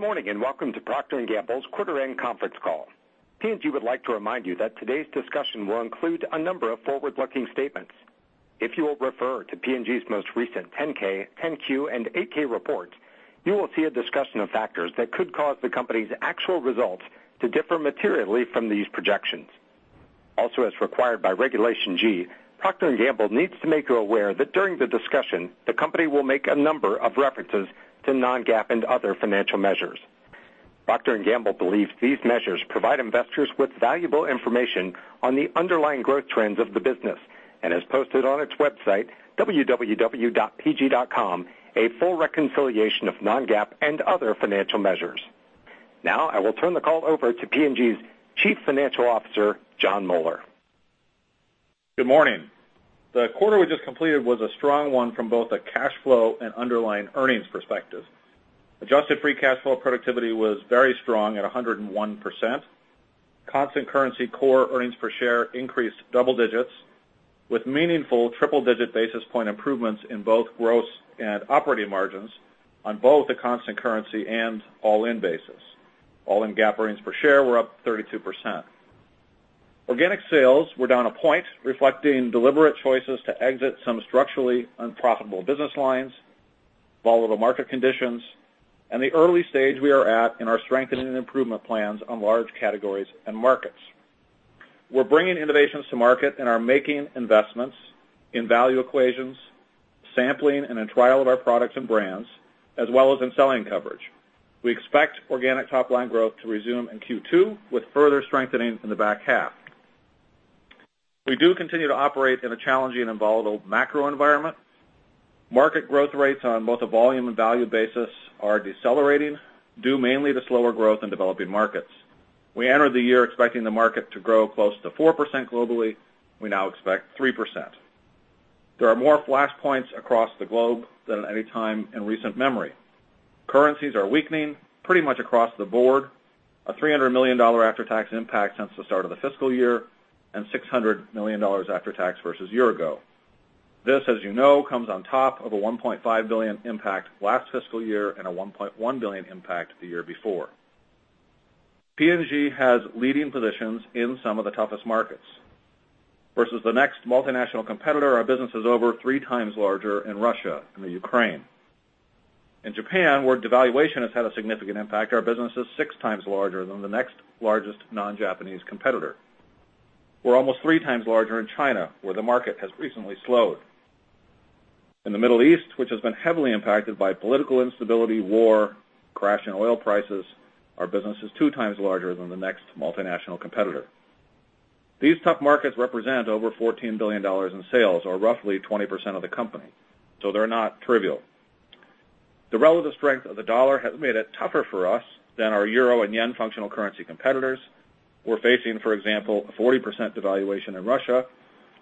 Good morning. Welcome to Procter & Gamble's quarter end conference call. P&G would like to remind you that today's discussion will include a number of forward-looking statements. If you will refer to P&G's most recent 10-K, 10-Q, and 8-K report, you will see a discussion of factors that could cause the company's actual results to differ materially from these projections. Also, as required by Regulation G, Procter & Gamble needs to make you aware that during the discussion, the company will make a number of references to non-GAAP and other financial measures. Procter & Gamble believes these measures provide investors with valuable information on the underlying growth trends of the business, and has posted on its website, www.pg.com, a full reconciliation of non-GAAP and other financial measures. Now, I will turn the call over to P&G's Chief Financial Officer, Jon Moeller. Good morning. The quarter we just completed was a strong one from both a cash flow and underlying earnings perspective. Adjusted free cash flow productivity was very strong at 101%. Constant currency core earnings per share increased double digits, with meaningful triple-digit basis point improvements in both gross and operating margins on both a constant currency and all-in basis. All-in GAAP earnings per share were up 32%. Organic sales were down a point, reflecting deliberate choices to exit some structurally unprofitable business lines, volatile market conditions, and the early stage we are at in our strengthening and improvement plans on large categories and markets. We're bringing innovations to market and are making investments in value equations, sampling, and in trial of our products and brands, as well as in selling coverage. We expect organic top-line growth to resume in Q2, with further strengthening in the back half. We do continue to operate in a challenging and volatile macro environment. Market growth rates on both a volume and value basis are decelerating, due mainly to slower growth in developing markets. We entered the year expecting the market to grow close to 4% globally. We now expect 3%. There are more flashpoints across the globe than at any time in recent memory. Currencies are weakening pretty much across the board. A $300 million after-tax impact since the start of the fiscal year, and $600 million after-tax versus year ago. This, as you know, comes on top of a $1.5 billion impact last fiscal year and a $1.1 billion impact the year before. P&G has leading positions in some of the toughest markets. Versus the next multinational competitor, our business is over three times larger in Russia and the Ukraine. In Japan, where devaluation has had a significant impact, our business is six times larger than the next largest non-Japanese competitor. We're almost three times larger in China, where the market has recently slowed. In the Middle East, which has been heavily impacted by political instability, war, crash in oil prices, our business is two times larger than the next multinational competitor. These tough markets represent over $14 billion in sales, or roughly 20% of the company, so they're not trivial. The relative strength of the dollar has made it tougher for us than our euro- and yen-functional currency competitors. We're facing, for example, a 40% devaluation in Russia,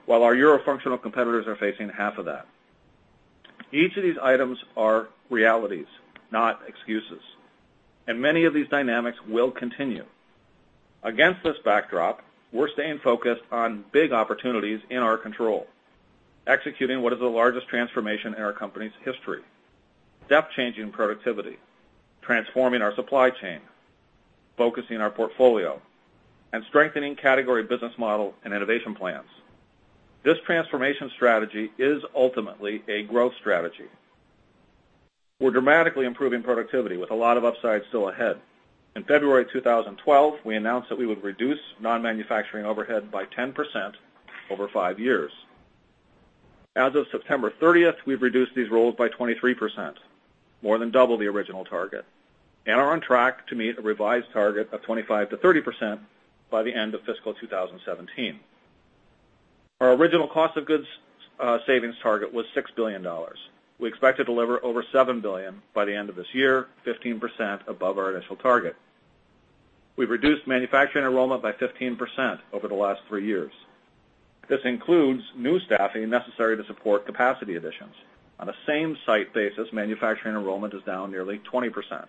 while our euro functional competitors are facing half of that. Each of these items are realities, not excuses, and many of these dynamics will continue. Against this backdrop, we're staying focused on big opportunities in our control, executing what is the largest transformation in our company's history, step changing productivity, transforming our supply chain, focusing our portfolio, and strengthening category business model and innovation plans. This transformation strategy is ultimately a growth strategy. We're dramatically improving productivity with a lot of upside still ahead. In February 2012, we announced that we would reduce non-manufacturing overhead by 10% over five years. As of September 30, we've reduced these roles by 23%, more than double the original target, and are on track to meet a revised target of 25%-30% by the end of FY 2017. Our original cost of goods savings target was $6 billion. We expect to deliver over $7 billion by the end of this year, 15% above our initial target. We've reduced manufacturing enrollment by 15% over the last three years. This includes new staffing necessary to support capacity additions. On a same site basis, manufacturing enrollment is down nearly 20%.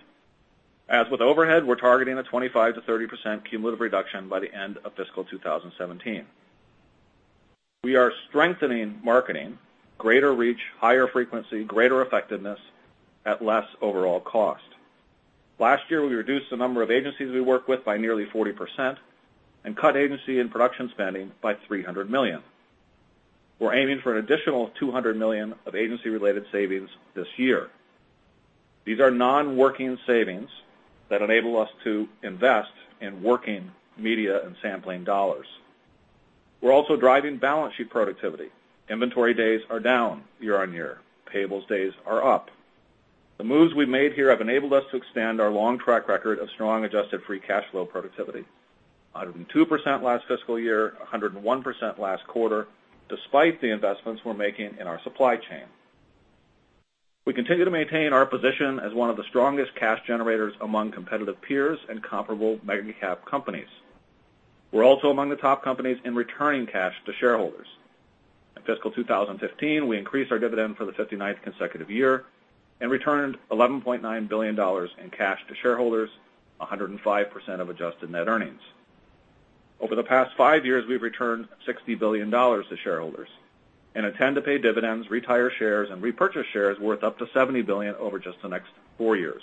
As with overhead, we're targeting a 25%-30% cumulative reduction by the end of FY 2017. We are strengthening marketing, greater reach, higher frequency, greater effectiveness at less overall cost. Last year, we reduced the number of agencies we work with by nearly 40% and cut agency and production spending by $300 million. We're aiming for an additional $200 million of agency-related savings this year. These are non-working savings that enable us to invest in working media and sampling dollars. We're also driving balance sheet productivity. Inventory days are down year-over-year. Payables days are up. The moves we've made here have enabled us to expand our long track record of strong adjusted free cash flow productivity, 102% last fiscal year, 101% last quarter, despite the investments we're making in our supply chain. We continue to maintain our position as one of the strongest cash generators among competitive peers and comparable mega-cap companies. We're also among the top companies in returning cash to shareholders. In FY 2015, we increased our dividend for the 59th consecutive year and returned $11.9 billion in cash to shareholders, 105% of adjusted net earnings. Over the past five years, we've returned $60 billion to shareholders and intend to pay dividends, retire shares, and repurchase shares worth up to $70 billion over just the next four years.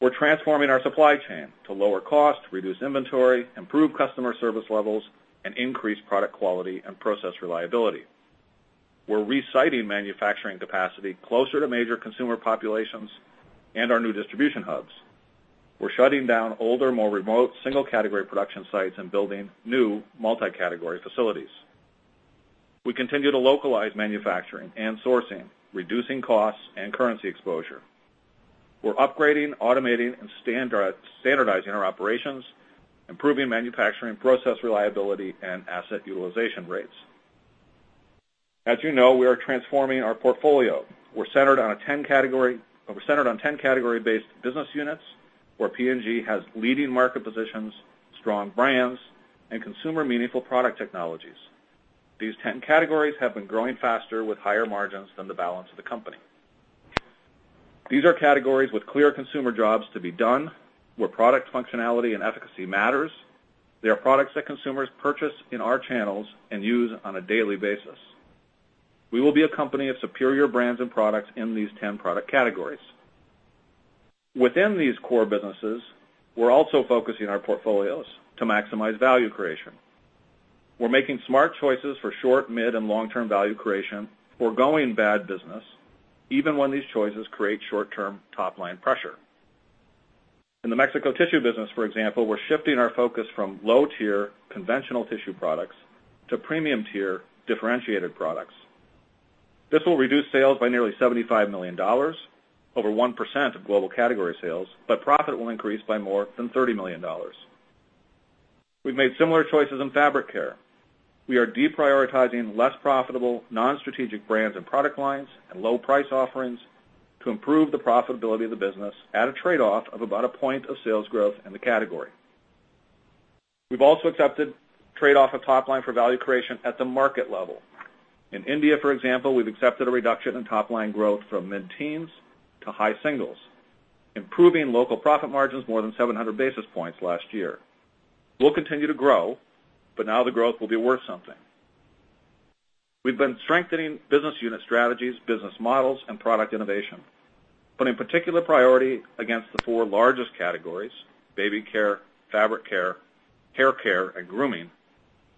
We're transforming our supply chain to lower costs, reduce inventory, improve customer service levels, and increase product quality and process reliability. We're resiting manufacturing capacity closer to major consumer populations and our new distribution hubs. We're shutting down older, more remote, single-category production sites and building new multi-category facilities. We continue to localize manufacturing and sourcing, reducing costs and currency exposure. We're upgrading, automating, and standardizing our operations, improving manufacturing process reliability and asset utilization rates. As you know, we are transforming our portfolio. We're centered on 10 category-based business units where P&G has leading market positions, strong brands, and consumer meaningful product technologies. These 10 categories have been growing faster with higher margins than the balance of the company. These are categories with clear consumer jobs to be done, where product functionality and efficacy matters. They are products that consumers purchase in our channels and use on a daily basis. We will be a company of superior brands and products in these 10 product categories. Within these core businesses, we're also focusing our portfolios to maximize value creation. We're making smart choices for short, mid, and long-term value creation. We're going bad business, even when these choices create short-term top-line pressure. In the Mexico tissue business, for example, we're shifting our focus from low-tier conventional tissue products to premium-tier differentiated products. This will reduce sales by nearly $75 million, over 1% of global category sales, but profit will increase by more than $30 million. We've made similar choices in Fabric Care. We are deprioritizing less profitable, non-strategic brands and product lines, and low price offerings to improve the profitability of the business at a trade-off of about a point of sales growth in the category. We've also accepted trade-off of top line for value creation at the market level. In India, for example, we've accepted a reduction in top-line growth from mid-teens to high singles, improving local profit margins more than 700 basis points last year. We'll continue to grow, but now the growth will be worth something. We've been strengthening business unit strategies, business models, and product innovation, putting particular priority against the four largest categories, Baby Care, Fabric Care, Hair Care, and Grooming,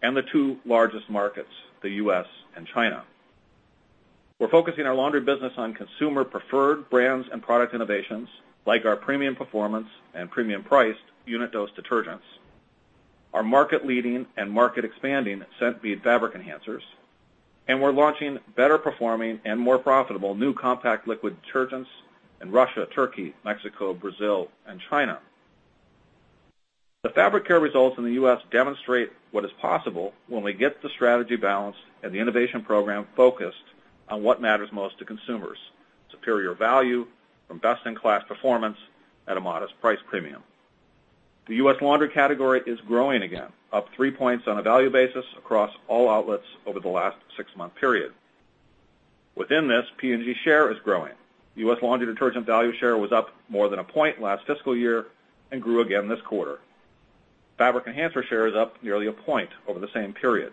and the two largest markets, the U.S. and China. We're focusing our laundry business on consumer preferred brands and product innovations, like our premium performance and premium priced unit dose detergents, our market leading and market expanding scent bead fabric enhancers, and we're launching better performing and more profitable new compact liquid detergents in Russia, Turkey, Mexico, Brazil, and China. The Fabric Care results in the U.S. demonstrate what is possible when we get the strategy balance and the innovation program focused on what matters most to consumers, superior value from best-in-class performance at a modest price premium. The U.S. laundry category is growing again, up three points on a value basis across all outlets over the last six-month period. Within this, P&G share is growing. U.S. laundry detergent value share was up more than a point last fiscal year and grew again this quarter. Fabric enhancer share is up nearly a point over the same period.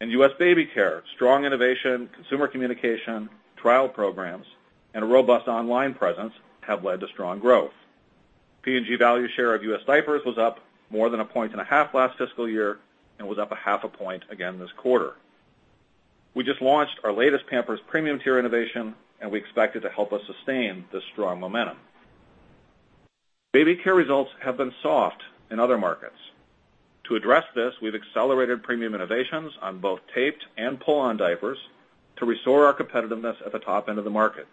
In U.S. Baby Care, strong innovation, consumer communication, trial programs, and a robust online presence have led to strong growth. P&G value share of U.S. diapers was up more than a point and a half last fiscal year and was up a half a point again this quarter. We just launched our latest Pampers premium tier innovation, and we expect it to help us sustain this strong momentum. Baby Care results have been soft in other markets. To address this, we've accelerated premium innovations on both taped and pull-on diapers to restore our competitiveness at the top end of the market.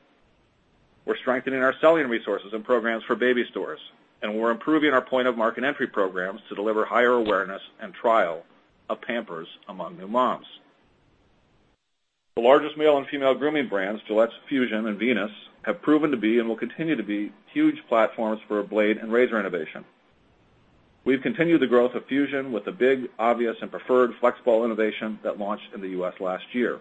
We're strengthening our selling resources and programs for baby stores, and we're improving our point of market entry programs to deliver higher awareness and trial of Pampers among new moms. The largest male and female grooming brands, Gillette Fusion and Venus, have proven to be and will continue to be huge platforms for blade and razor innovation. We've continued the growth of Fusion with the big, obvious, and preferred FlexBall innovation that launched in the U.S. last year.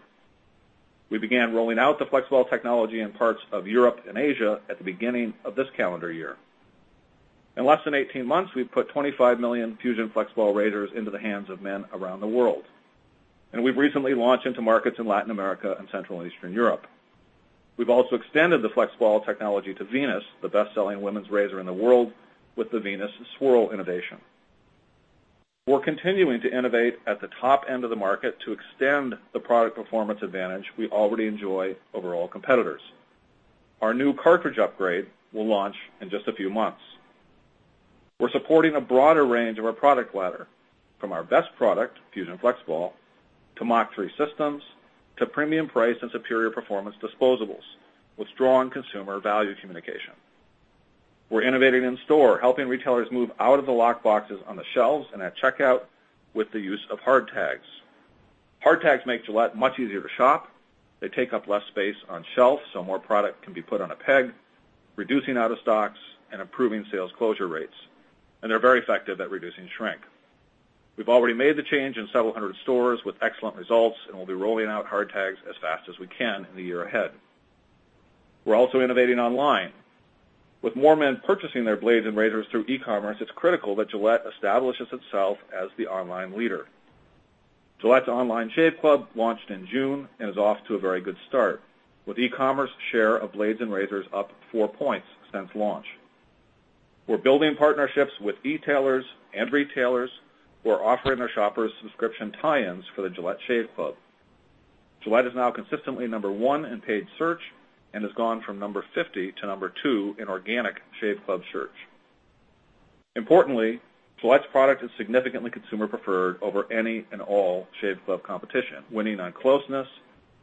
We began rolling out the FlexBall technology in parts of Europe and Asia at the beginning of this calendar year. In less than 18 months, we've put 25 million Fusion FlexBall razors into the hands of men around the world. We've recently launched into markets in Latin America and Central and Eastern Europe. We've also extended the FlexBall technology to Venus, the best-selling women's razor in the world, with the Venus Swirl innovation. We're continuing to innovate at the top end of the market to extend the product performance advantage we already enjoy over all competitors. Our new cartridge upgrade will launch in just a few months. We're supporting a broader range of our product ladder, from our best product, Fusion FlexBall, to Mach3 systems, to premium price and superior performance disposables with strong consumer value communication. We're innovating in store, helping retailers move out of the locked boxes on the shelves and at checkout with the use of hard tags. Hard tags make Gillette much easier to shop. They take up less space on shelves, so more product can be put on a peg, reducing out of stocks and improving sales closure rates. They're very effective at reducing shrink. We've already made the change in several hundred stores with excellent results. We'll be rolling out hard tags as fast as we can in the year ahead. We're also innovating online. With more men purchasing their blades and razors through e-commerce, it's critical that Gillette establishes itself as the online leader. Gillette's online Shave Club launched in June and is off to a very good start, with e-commerce share of blades and razors up four points since launch. We're building partnerships with e-tailers and retailers who are offering their shoppers subscription tie-ins for the Gillette Shave Club. Gillette is now consistently number one in paid search and has gone from number 50 to number two in organic Shave Club search. Importantly, Gillette's product is significantly consumer preferred over any and all Shave Club competition, winning on closeness,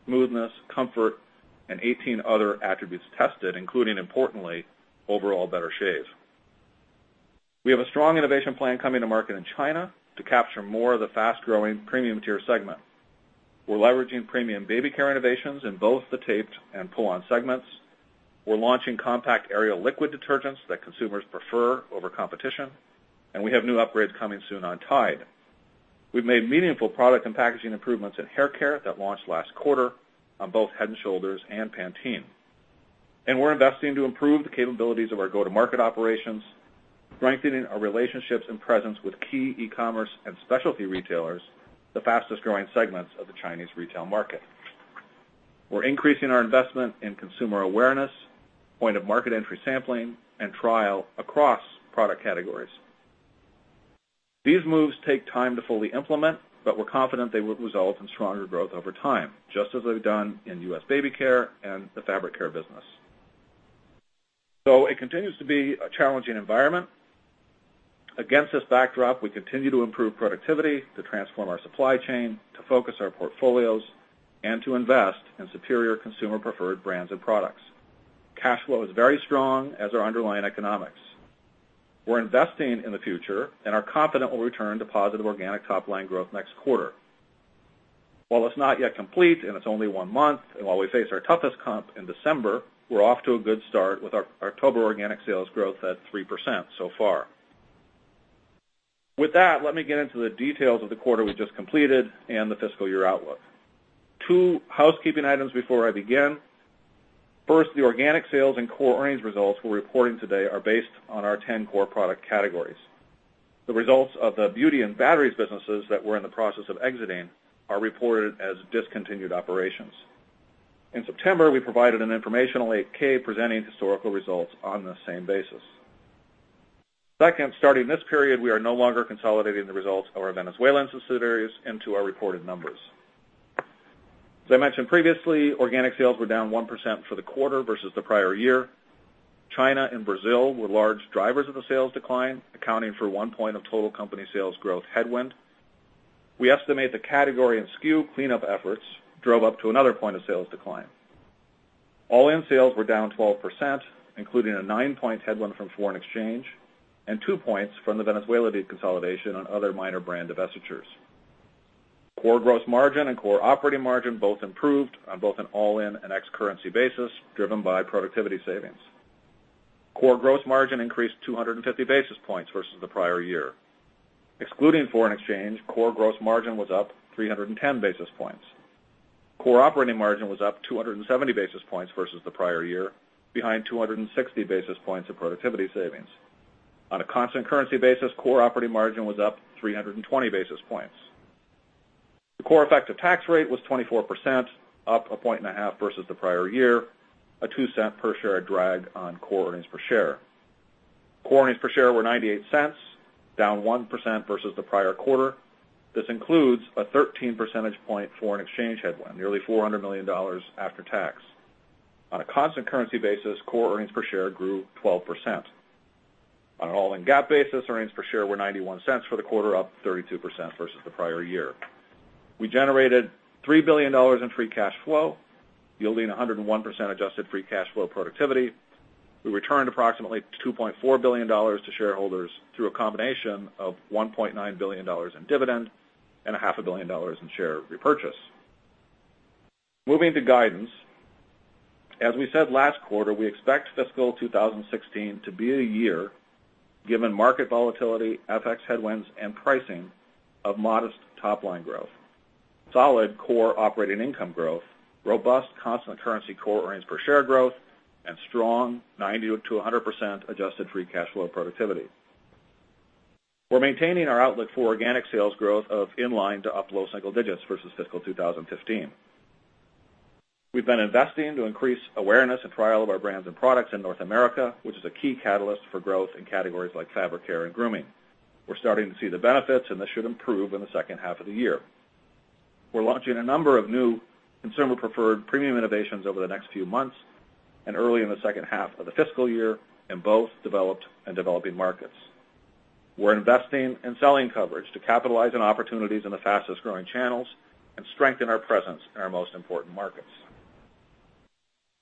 smoothness, comfort, and 18 other attributes tested, including importantly, overall better shave. We have a strong innovation plan coming to market in China to capture more of the fast-growing premium tier segment. We're leveraging premium Baby care innovations in both the taped and pull-on segments. We're launching compact Ariel liquid detergents that consumers prefer over competition. We have new upgrades coming soon on Tide. We've made meaningful product and packaging improvements in haircare that launched last quarter on both Head & Shoulders and Pantene. We're investing to improve the capabilities of our go-to-market operations, strengthening our relationships and presence with key e-commerce and specialty retailers, the fastest-growing segments of the Chinese retail market. We're increasing our investment in consumer awareness, point of market entry sampling, and trial across product categories. These moves take time to fully implement. We're confident they will result in stronger growth over time, just as they've done in U.S. Baby Care and the Fabric Care business. It continues to be a challenging environment. Against this backdrop, we continue to improve productivity, to transform our supply chain, to focus our portfolios, to invest in superior consumer preferred brands and products. Cash flow is very strong as are underlying economics. We're investing in the future and are confident we'll return to positive organic top-line growth next quarter. While it's not yet complete and it's only one month, while we face our toughest comp in December, we're off to a good start with our October organic sales growth at 3% so far. With that, let me get into the details of the quarter we just completed and the fiscal year outlook. Two housekeeping items before I begin. First, the organic sales and core earnings results we're reporting today are based on our 10 core product categories. The results of the Beauty and batteries businesses that we're in the process of exiting are reported as discontinued operations. In September, we provided an informational 8-K presenting historical results on the same basis. Second, starting this period, we are no longer consolidating the results of our Venezuelan subsidiaries into our reported numbers. As I mentioned previously, organic sales were down 1% for the quarter versus the prior year. China and Brazil were large drivers of the sales decline, accounting for 1 point of total company sales growth headwind. We estimate the category and SKU cleanup efforts drove up to another 1 point of sales decline. All-in sales were down 12%, including a 9-point headwind from foreign exchange and 2 points from the Venezuela deconsolidation on other minor brand divestitures. Core gross margin and core operating margin both improved on both an all-in and ex currency basis, driven by productivity savings. Core gross margin increased 250 basis points versus the prior year. Excluding foreign exchange, core gross margin was up 310 basis points. Core operating margin was up 270 basis points versus the prior year, behind 260 basis points of productivity savings. On a constant currency basis, core operating margin was up 320 basis points. The core effective tax rate was 24%, up 1 point and a half versus the prior year, a $0.02 per share drag on core earnings per share. Core earnings per share were $0.98, down 1% versus the prior quarter. This includes a 13 percentage points foreign exchange headwind, nearly $400 million after tax. On a constant currency basis, core earnings per share grew 12%. On an all-in GAAP basis, earnings per share were $0.91 for the quarter, up 32% versus the prior year. We generated $3 billion in free cash flow, yielding 101% adjusted free cash flow productivity. We returned approximately $2.4 billion to shareholders through a combination of $1.9 billion in dividend and a half billion dollars in share repurchase. Moving to guidance. As we said last quarter, we expect fiscal 2016 to be a year, given market volatility, FX headwinds, and pricing, of modest top-line growth, solid core operating income growth, robust constant currency core earnings per share growth, and strong 90%-100% adjusted free cash flow productivity. We're maintaining our outlook for organic sales growth of in line to up low single digits versus fiscal 2015. We've been investing to increase awareness and trial of our brands and products in North America, which is a key catalyst for growth in categories like Fabric Care and Grooming. We're starting to see the benefits, and this should improve in the second half of the year. We're launching a number of new consumer preferred premium innovations over the next few months and early in the second half of the fiscal year in both developed and developing markets. We're investing in selling coverage to capitalize on opportunities in the fastest-growing channels and strengthen our presence in our most important markets.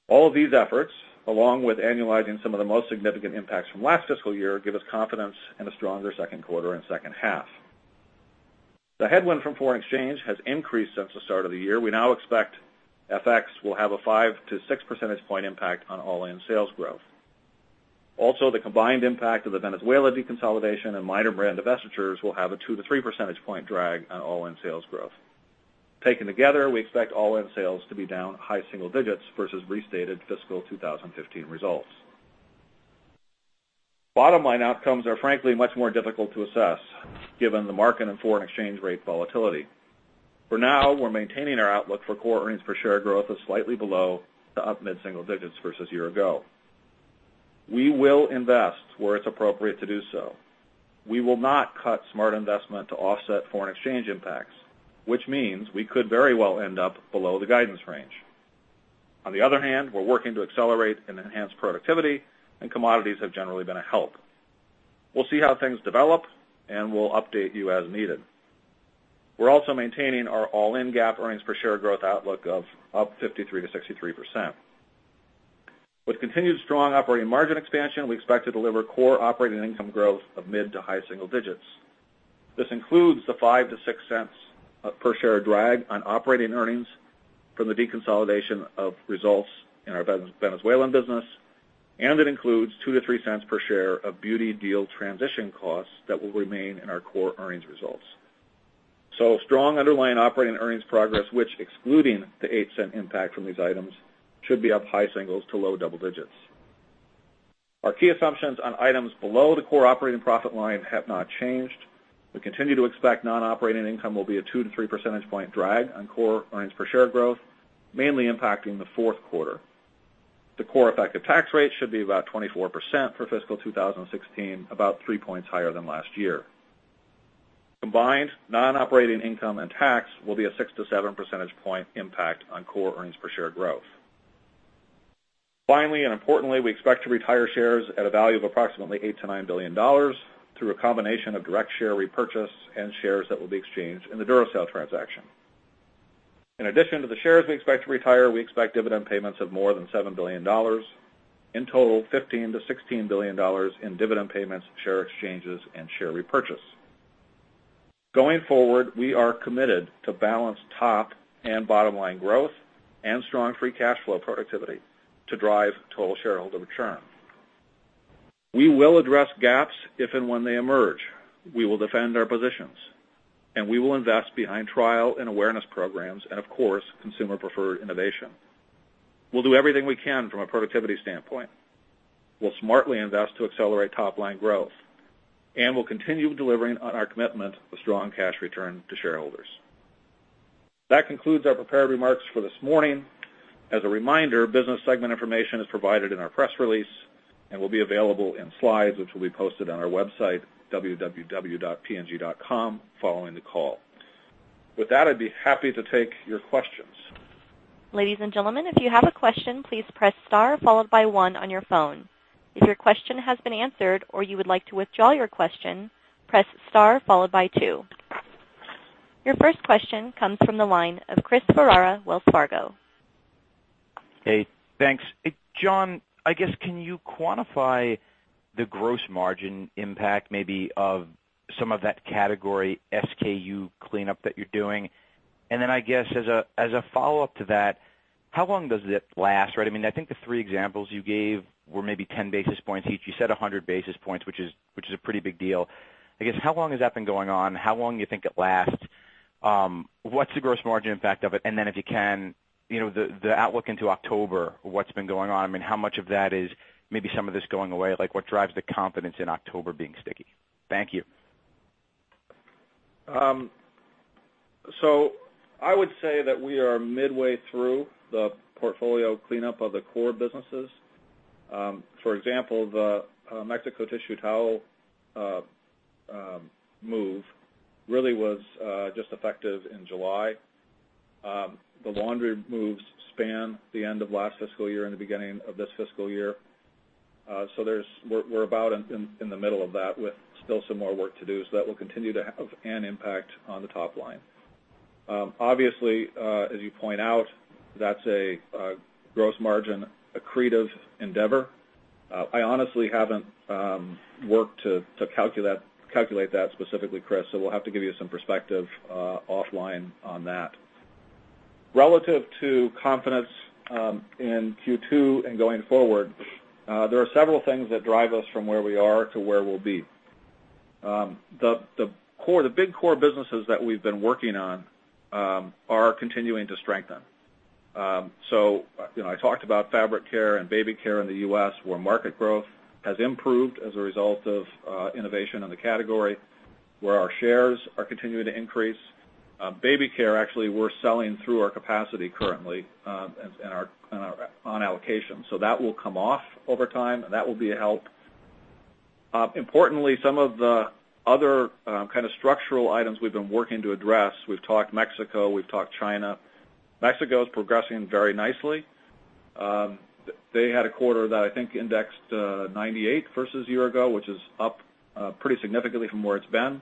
All of these efforts, along with annualizing some of the most significant impacts from last fiscal year, give us confidence in a stronger second quarter and second half. The headwind from foreign exchange has increased since the start of the year. We now expect FX will have a 5 to 6 percentage point impact on all-in sales growth. Also, the combined impact of the Venezuela deconsolidation and minor brand divestitures will have a 2 to 3 percentage point drag on all-in sales growth. Taken together, we expect all-in sales to be down high single digits versus restated fiscal 2015 results. Bottom line outcomes are frankly much more difficult to assess given the market and foreign exchange rate volatility. For now, we're maintaining our outlook for core earnings per share growth of slightly below to up mid-single digits versus year-ago. We will invest where it's appropriate to do so. We will not cut smart investment to offset foreign exchange impacts, which means we could very well end up below the guidance range. On the other hand, we're working to accelerate and enhance productivity, and commodities have generally been a help. We'll see how things develop, and we'll update you as needed. We're also maintaining our all-in GAAP earnings per share growth outlook of up 53%-63%. With continued strong operating margin expansion, we expect to deliver core operating income growth of mid to high single digits. This includes the $0.05 to $0.06 of per share drag on operating earnings from the deconsolidation of results in our Venezuelan business, and it includes $0.02 to $0.03 per share of Beauty deal transition costs that will remain in our core earnings results. Strong underlying operating earnings progress, which excluding the $0.08 impact from these items, should be up high singles to low double digits. Our key assumptions on items below the core operating profit line have not changed. We continue to expect non-operating income will be a 2 to 3 percentage point drag on core earnings per share growth, mainly impacting the fourth quarter. The core effective tax rate should be about 24% for fiscal 2016, about 3 points higher than last year. Combined non-operating income and tax will be a 6 to 7 percentage point impact on core earnings per share growth. Finally, importantly, we expect to retire shares at a value of approximately $8 billion-$9 billion through a combination of direct share repurchase and shares that will be exchanged in the Duracell transaction. In addition to the shares we expect to retire, we expect dividend payments of more than $7 billion. In total, $15 billion-$16 billion in dividend payments, share exchanges, and share repurchase. Going forward, we are committed to balanced top- and bottom-line growth and strong free cash flow productivity to drive total shareholder return. We will address gaps if and when they emerge. We will defend our positions, and we will invest behind trial and awareness programs and, of course, consumer-preferred innovation. We'll do everything we can from a productivity standpoint. We'll smartly invest to accelerate top-line growth, and we'll continue delivering on our commitment of strong cash return to shareholders. That concludes our prepared remarks for this morning. As a reminder, business segment information is provided in our press release and will be available in slides, which will be posted on our website, www.pg.com, following the call. With that, I'd be happy to take your questions. Ladies and gentlemen, if you have a question, please press star followed by one on your phone. If your question has been answered or you would like to withdraw your question, press star followed by two. Your first question comes from the line of Chris Ferrara, Wells Fargo. Hey, thanks. Jon, I guess can you quantify the gross margin impact maybe of some of that category SKU cleanup that you're doing? As a follow-up to that, how long does it last, right? I think the three examples you gave were maybe 10 basis points each. You said 100 basis points, which is a pretty big deal. I guess, how long has that been going on? How long you think it lasts? What's the gross margin impact of it? If you can, the outlook into October, what's been going on? How much of that is maybe some of this going away? What drives the confidence in October being sticky? Thank you. I would say that we are midway through the portfolio cleanup of the core businesses. For example, the Mexico tissue towel move really was just effective in July. The laundry moves span the end of last fiscal year and the beginning of this fiscal year. We're about in the middle of that with still some more work to do. That will continue to have an impact on the top line. Obviously, as you point out, that's a gross margin accretive endeavor. I honestly haven't worked to calculate that specifically, Chris. We'll have to give you some perspective offline on that. Relative to confidence in Q2 and going forward, there are several things that drive us from where we are to where we'll be. The big core businesses that we've been working on are continuing to strengthen. I talked about Fabric Care and Baby Care in the U.S. where market growth has improved as a result of innovation in the category, where our shares are continuing to increase. Baby Care, actually, we're selling through our capacity currently on allocation. That will come off over time, and that will be a help. Importantly, some of the other structural items we've been working to address, we've talked Mexico, we've talked China. Mexico is progressing very nicely. They had a quarter that I think indexed 98 versus a year ago, which is up pretty significantly from where it's been,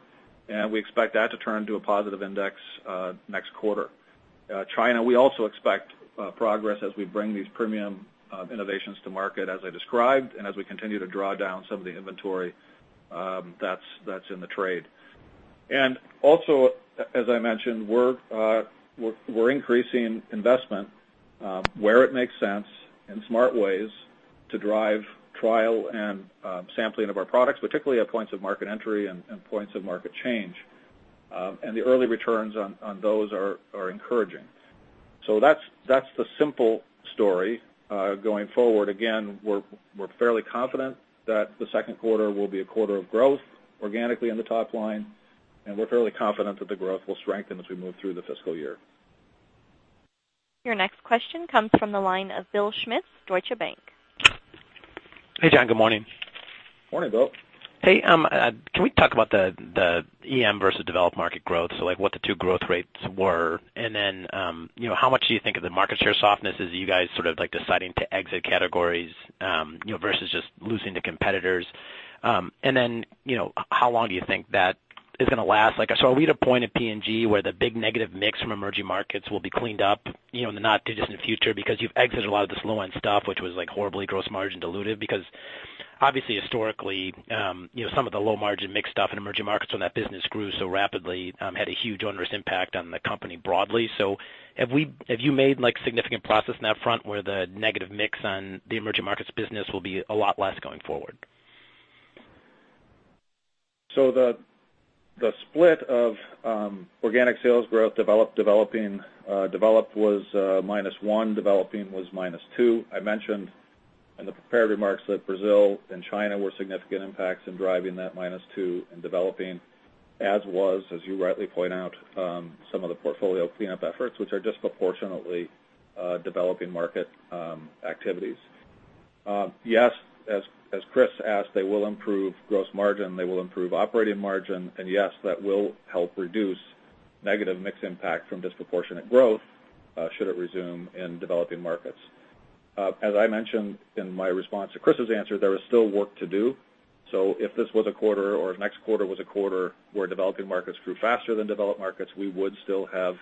and we expect that to turn to a positive index next quarter. China, we also expect progress as we bring these premium innovations to market, as I described, and as we continue to draw down some of the inventory that's in the trade. Also, as I mentioned, we're increasing investment where it makes sense in smart ways to drive trial and sampling of our products, particularly at points of market entry and points of market change. The early returns on those are encouraging. That's the simple story. Going forward, again, we're fairly confident that the second quarter will be a quarter of growth organically in the top line, and we're fairly confident that the growth will strengthen as we move through the fiscal year. Your next question comes from the line of Bill Schmitz, Deutsche Bank. Hey, Jon. Good morning. Morning, Bill. Hey, can we talk about the EM versus developed market growth? What the two growth rates were, how much do you think of the market share softness as you guys deciding to exit categories versus just losing to competitors? How long do you think that is going to last? Are we at a point at P&G where the big negative mix from emerging markets will be cleaned up in the not too distant future because you've exited a lot of this low-end stuff, which was horribly gross margin dilutive? Obviously historically some of the low margin mixed stuff in emerging markets when that business grew so rapidly had a huge onerous impact on the company broadly. Have you made significant progress on that front where the negative mix on the emerging markets business will be a lot less going forward? The split of organic sales growth developed, developing. Developed was -1%, developing was -2%. I mentioned in the prepared remarks that Brazil and China were significant impacts in driving that -2% in developing, as was, as you rightly point out, some of the portfolio cleanup efforts, which are disproportionately developing market activities. Yes, as Chris asked, they will improve gross margin, they will improve operating margin, and yes, that will help reduce negative mix impact from disproportionate growth should it resume in developing markets. As I mentioned in my response to Chris's answer, there is still work to do. If this was a quarter or if next quarter was a quarter where developing markets grew faster than developed markets, we would still have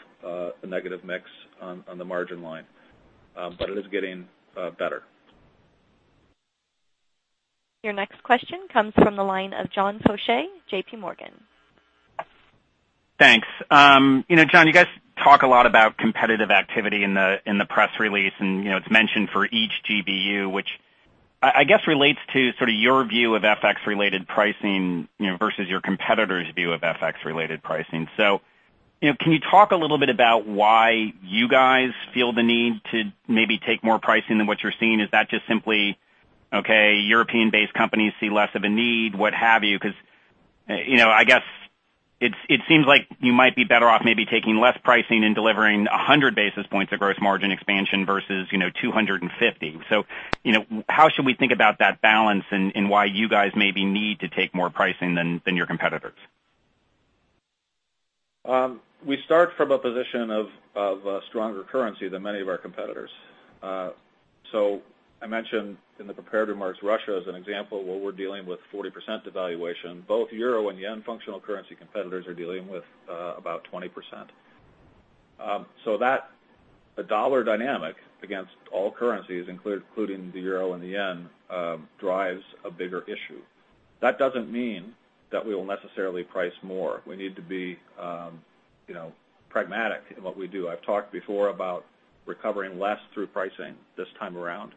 a negative mix on the margin line. It is getting better. Your next question comes from the line of John Faucher, JPMorgan. Thanks. Jon, you guys talk a lot about competitive activity in the press release, and it's mentioned for each GBU, which I guess relates to sort of your view of FX related pricing versus your competitor's view of FX related pricing. Can you talk a little bit about why you guys feel the need to maybe take more pricing than what you're seeing? Is that just simply, okay, European-based companies see less of a need, what have you? I guess it seems like you might be better off maybe taking less pricing and delivering 100 basis points of gross margin expansion versus 250. How should we think about that balance and why you guys maybe need to take more pricing than your competitors? We start from a position of a stronger currency than many of our competitors. I mentioned in the prepared remarks, Russia as an example, where we're dealing with 40% devaluation. Both euro and yen functional currency competitors are dealing with about 20%. That dollar dynamic against all currencies, including the euro and the yen, drives a bigger issue. That doesn't mean that we will necessarily price more. We need to be pragmatic in what we do. I've talked before about recovering less through pricing this time around,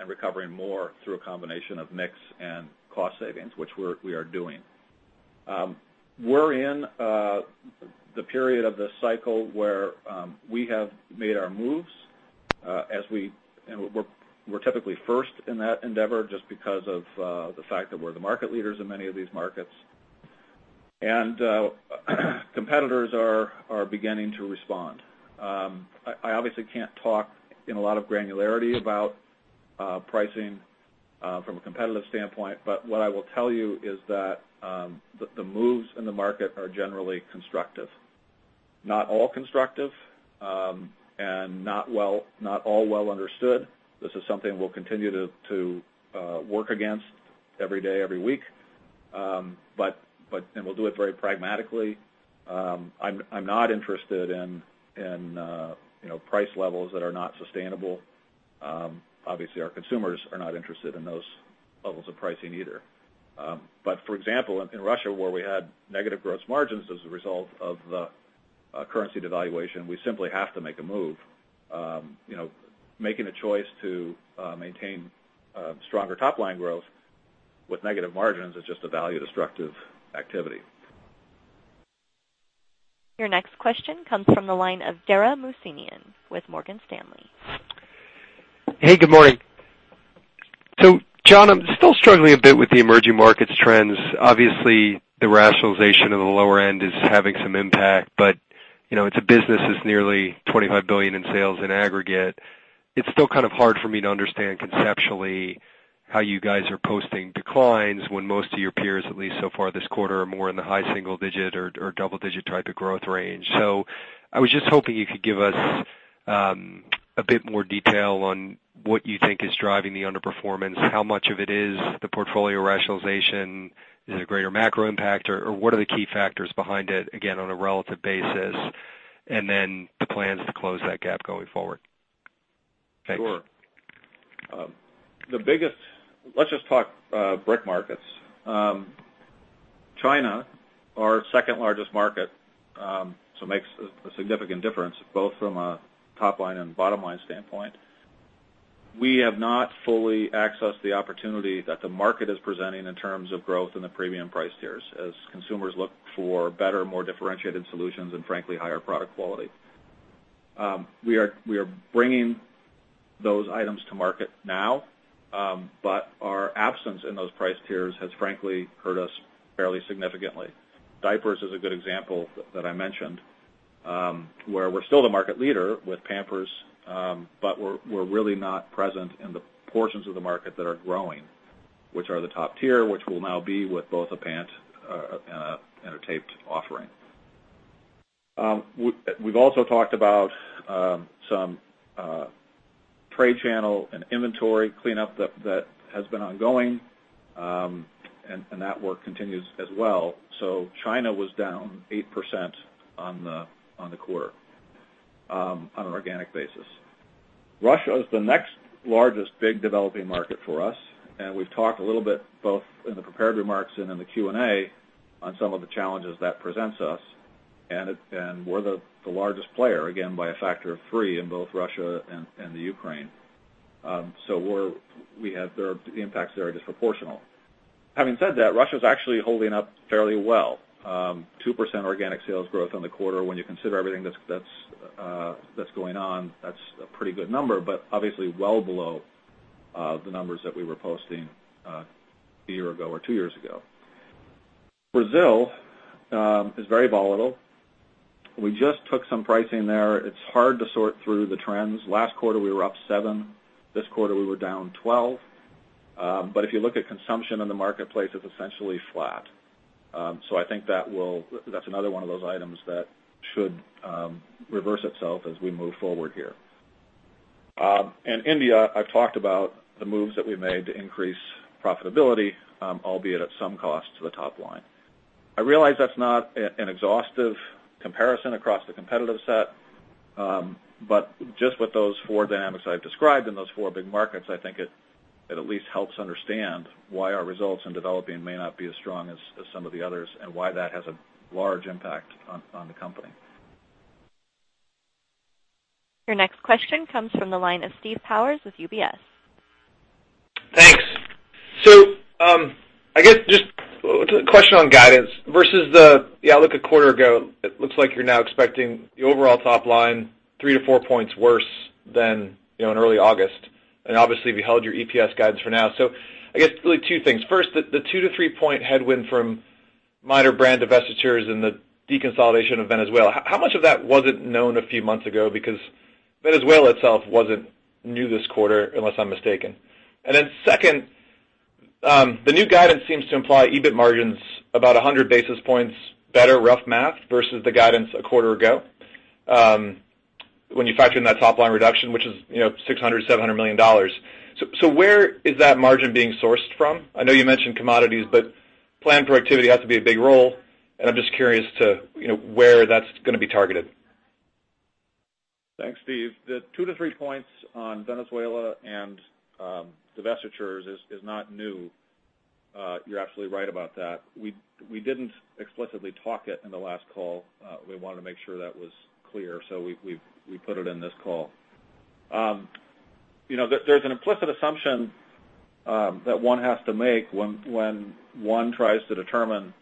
and recovering more through a combination of mix and cost savings, which we are doing. We're in the period of this cycle where we have made our moves, and we're typically first in that endeavor just because of the fact that we're the market leaders in many of these markets, and competitors are beginning to respond. I obviously can't talk in a lot of granularity about pricing from a competitive standpoint, but what I will tell you is that the moves in the market are generally constructive. Not all constructive, and not all well understood. This is something we'll continue to work against every day, every week. We'll do it very pragmatically. I'm not interested in price levels that are not sustainable. Obviously, our consumers are not interested in those levels of pricing either. For example, in Russia, where we had negative gross margins as a result of the currency devaluation, we simply have to make a move. Making a choice to maintain stronger top-line growth with negative margins is just a value-destructive activity. Your next question comes from the line of Dara Mohsenian with Morgan Stanley. Hey, good morning. Jon, I am still struggling a bit with the emerging markets trends. Obviously, the rationalization of the lower end is having some impact, but it is a business that is nearly $25 billion in sales in aggregate. It is still kind of hard for me to understand conceptually how you guys are posting declines when most of your peers, at least so far this quarter, are more in the high single-digit or double-digit type of growth range. I was just hoping you could give us a bit more detail on what you think is driving the underperformance, how much of it is the portfolio rationalization? Is it a greater macro impact, or what are the key factors behind it, again, on a relative basis? The plans to close that gap going forward. Sure. Let us just talk BRIC markets. China, our second largest market, makes a significant difference both from a top line and bottom line standpoint. We have not fully accessed the opportunity that the market is presenting in terms of growth in the premium price tiers, as consumers look for better, more differentiated solutions, and frankly, higher product quality. We are bringing those items to market now, our absence in those price tiers has frankly hurt us fairly significantly. Diapers is a good example that I mentioned, where we are still the market leader with Pampers, we are really not present in the portions of the market that are growing, which are the top tier, which we will now be with both a pant and a taped offering. We have also talked about some trade channel and inventory cleanup that has been ongoing, that work continues as well. China was down 8% on the quarter on an organic basis. Russia is the next largest big developing market for us, we have talked a little bit, both in the prepared remarks and in the Q&A, on some of the challenges that presents us, we are the largest player, again, by a factor of three in both Russia and Ukraine. The impacts there are disproportional. Having said that, Russia is actually holding up fairly well. 2% organic sales growth on the quarter. When you consider everything that is going on, that is a pretty good number, obviously well below the numbers that we were posting a year ago or two years ago. Brazil is very volatile. We just took some pricing there. It is hard to sort through the trends. Last quarter, we were up seven. This quarter, we were down 12. If you look at consumption in the marketplace, it is essentially flat. I think that is another one of those items that should reverse itself as we move forward here. In India, I have talked about the moves that we have made to increase profitability, albeit at some cost to the top line. I realize that is not an an exhaustive comparison across the competitive set, just with those four dynamics I have described in those four big markets, I think it at least helps understand why our results in developing may not be as strong as some of the others, why that has a large impact on the company. Your next question comes from the line of Steve Powers with UBS. Thanks. I guess just a question on guidance versus the outlook a quarter ago. It looks like you're now expecting the overall top line three points-four points worse than in early August. Obviously, we held your EPS guidance for now. I guess really two things. First, the two points-three points headwind from minor brand divestitures and the deconsolidation of Venezuela, how much of that wasn't known a few months ago? Because Venezuela itself wasn't new this quarter, unless I'm mistaken. Second, the new guidance seems to imply EBIT margins about 100 basis points better, rough math, versus the guidance a quarter ago when you factor in that top-line reduction, which is $600 million-$700 million. Where is that margin being sourced from? I know you mentioned commodities, planned productivity has to be a big role, I'm just curious to where that's going to be targeted. Thanks, Steve. The two points-three points on Venezuela and divestitures is not new. You're absolutely right about that. We didn't explicitly talk it in the last call. We wanted to make sure that was clear, we put it in this call. There's an implicit assumption that one has to make when one tries to determine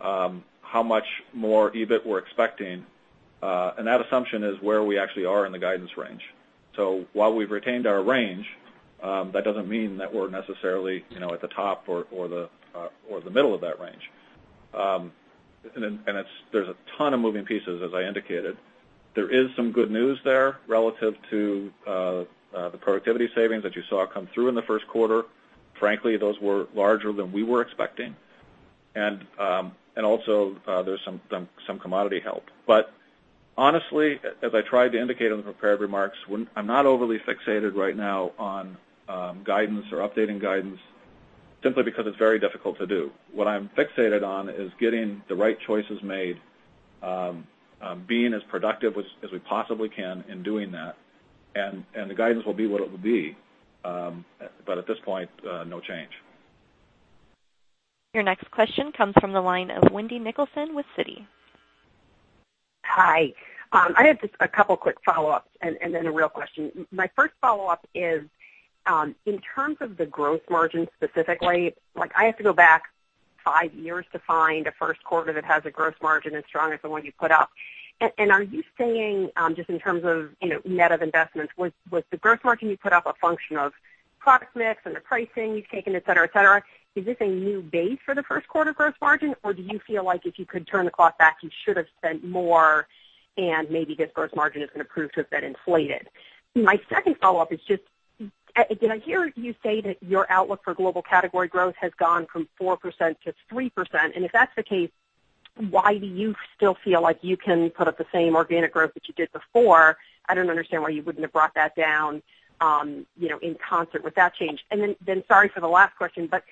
how much more EBIT we're expecting, that assumption is where we actually are in the guidance range. While we've retained our range, that doesn't mean that we're necessarily at the top or the middle of that range. There's a ton of moving pieces, as I indicated. There is some good news there relative to the productivity savings that you saw come through in the first quarter. Frankly, those were larger than we were expecting. Also, there's some commodity help. Honestly, as I tried to indicate on the prepared remarks, I'm not overly fixated right now on guidance or updating guidance simply because it's very difficult to do. What I'm fixated on is getting the right choices made, being as productive as we possibly can in doing that, and the guidance will be what it will be. At this point, no change. Your next question comes from the line of Wendy Nicholson with Citi. Hi. I have just a couple quick follow-ups and then a real question. My first follow-up is, in terms of the gross margin specifically, I have to go back five years to find a first quarter that has a gross margin as strong as the one you put up. Are you saying, just in terms of net of investments, was the gross margin you put up a function of product mix and the pricing you've taken, et cetera? Is this a new base for the first quarter gross margin, or do you feel like if you could turn the clock back, you should have spent more and maybe this gross margin is going to prove to have been inflated? My second follow-up is just, I hear you say that your outlook for global category growth has gone from 4% to 3%. If that's the case, why do you still feel like you can put up the same organic growth that you did before? I don't understand why you wouldn't have brought that down in concert with that change. Then sorry for the last question, but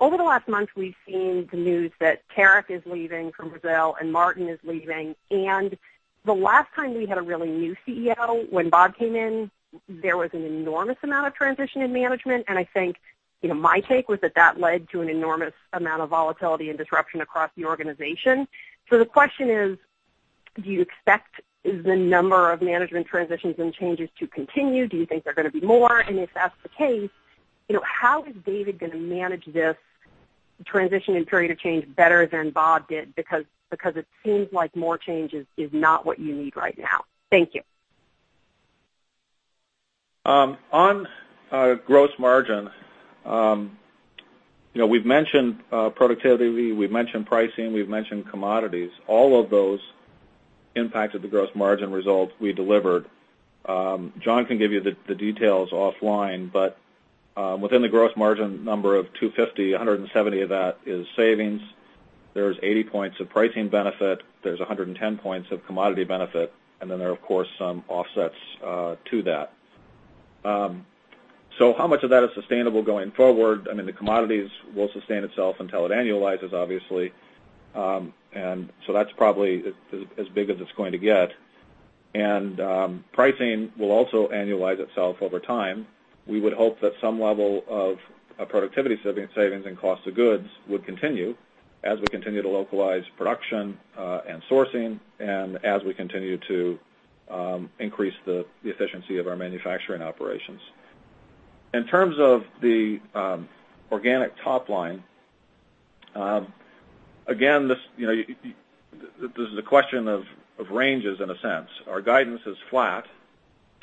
over the last month, we've seen the news that Tarek is leaving from Brazil and Martin is leaving. The last time we had a really new CEO, when Bob came in, there was an enormous amount of transition in management, and I think my take was that that led to an enormous amount of volatility and disruption across the organization. The question is, do you expect the number of management transitions and changes to continue? Do you think they're going to be more? If that's the case, how is David going to manage this transition and period of change better than Bob did? It seems like more change is not what you need right now. Thank you. On gross margin, we've mentioned productivity, we've mentioned pricing, we've mentioned commodities. All of those impacted the gross margin results we delivered. John can give you the details offline, but within the gross margin number of 250, 170 of that is savings. There's 80 points of pricing benefit. There's 110 points of commodity benefit. Then there are, of course, some offsets to that. How much of that is sustainable going forward? The commodities will sustain itself until it annualizes, obviously. That's probably as big as it's going to get. Pricing will also annualize itself over time. We would hope that some level of productivity savings and cost of goods would continue as we continue to localize production and sourcing and as we continue to increase the efficiency of our manufacturing operations. In terms of the organic top line, again, this is a question of ranges, in a sense. Our guidance is flat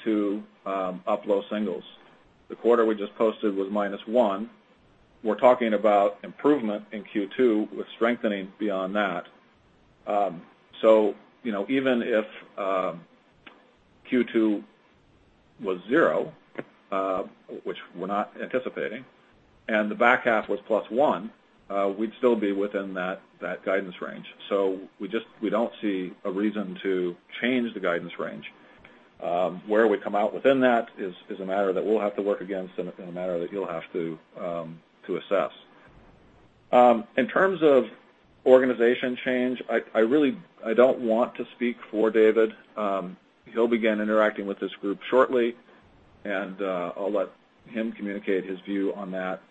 to up low singles. The quarter we just posted was minus one. We're talking about improvement in Q2 with strengthening beyond that. Even if Q2 was zero, which we're not anticipating, and the back half was plus one, we'd still be within that guidance range. We don't see a reason to change the guidance range. Where we come out within that is a matter that we'll have to work against and a matter that you'll have to assess. In terms of organization change, I don't want to speak for David. He'll begin interacting with this group shortly, and I'll let him communicate his view on that.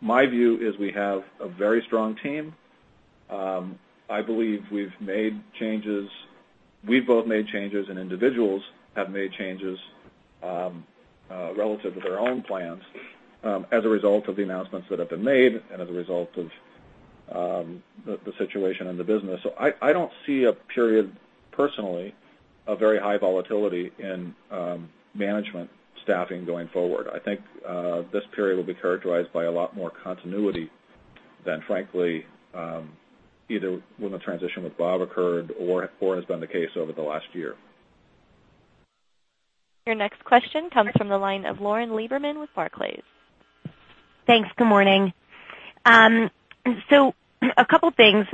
My view is we have a very strong team. I believe we've made changes. We've both made changes, and individuals have made changes relative to their own plans as a result of the announcements that have been made and as a result of the situation in the business. I don't see a period, personally, of very high volatility in management staffing going forward. I think this period will be characterized by a lot more continuity than, frankly, either when the transition with Bob occurred or has been the case over the last year. Your next question comes from the line of Lauren Lieberman with Barclays. Thanks. Good morning. A couple of things,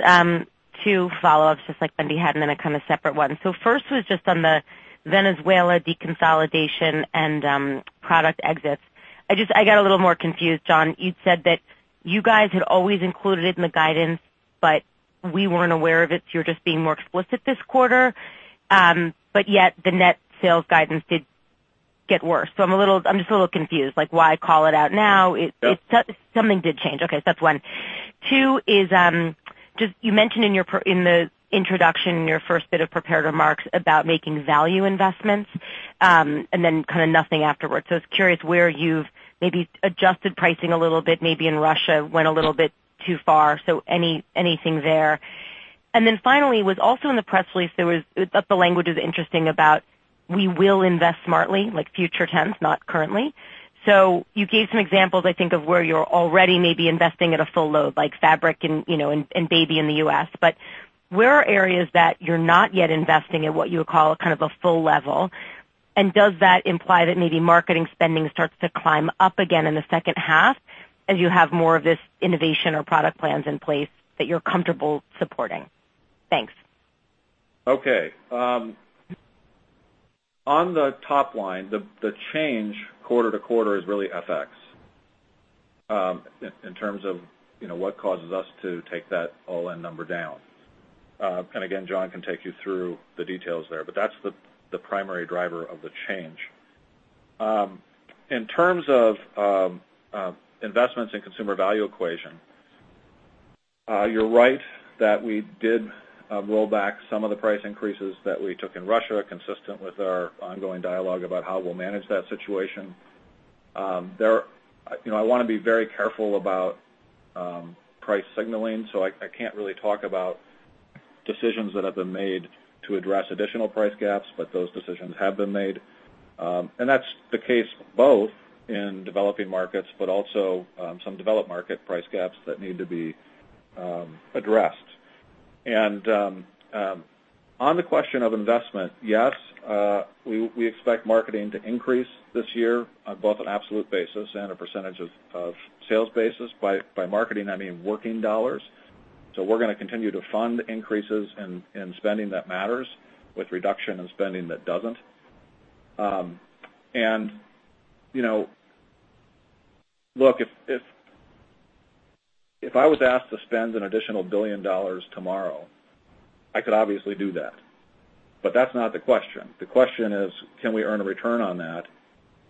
two follow-ups, just like Wendy had, and then a separate one. First was just on the Venezuela deconsolidation and product exits. I got a little more confused, Jon. You'd said that you guys had always included it in the guidance, but we weren't aware of it, so you're just being more explicit this quarter. Yet the net sales guidance did get worse. I'm just a little confused, like, why call it out now? Yeah. Something did change. Okay, that's one. Two is, you mentioned in the introduction, in your first bit of prepared remarks, about making value investments and then nothing afterwards. I was curious where you've maybe adjusted pricing a little bit, maybe in Russia, went a little bit too far. Anything there. Finally, it was also in the press release, I thought the language was interesting about "We will invest smartly," like future tense, not currently. You gave some examples, I think, of where you're already maybe investing at a full load, like Fabric and baby in the U.S. Where are areas that you're not yet investing at what you would call a full level? Does that imply that maybe marketing spending starts to climb up again in the second half as you have more of this innovation or product plans in place that you're comfortable supporting? Thanks. Okay. On the top line, the change quarter-to-quarter is really FX in terms of what causes us to take that all-in number down. Again, John can take you through the details there, but that's the primary driver of the change. In terms of investments in consumer value equation, you're right that we did roll back some of the price increases that we took in Russia, consistent with our ongoing dialogue about how we'll manage that situation. I want to be very careful about price signaling, so I can't really talk about decisions that have been made to address additional price gaps, but those decisions have been made. That's the case both in developing markets, but also some developed market price gaps that need to be addressed. On the question of investment, yes, we expect marketing to increase this year on both an absolute basis and a percentage of sales basis. By marketing, I mean working dollars. We're going to continue to fund increases in spending that matters with reduction in spending that doesn't. Look, if I was asked to spend an additional $1 billion tomorrow, I could obviously do that. That's not the question. The question is, can we earn a return on that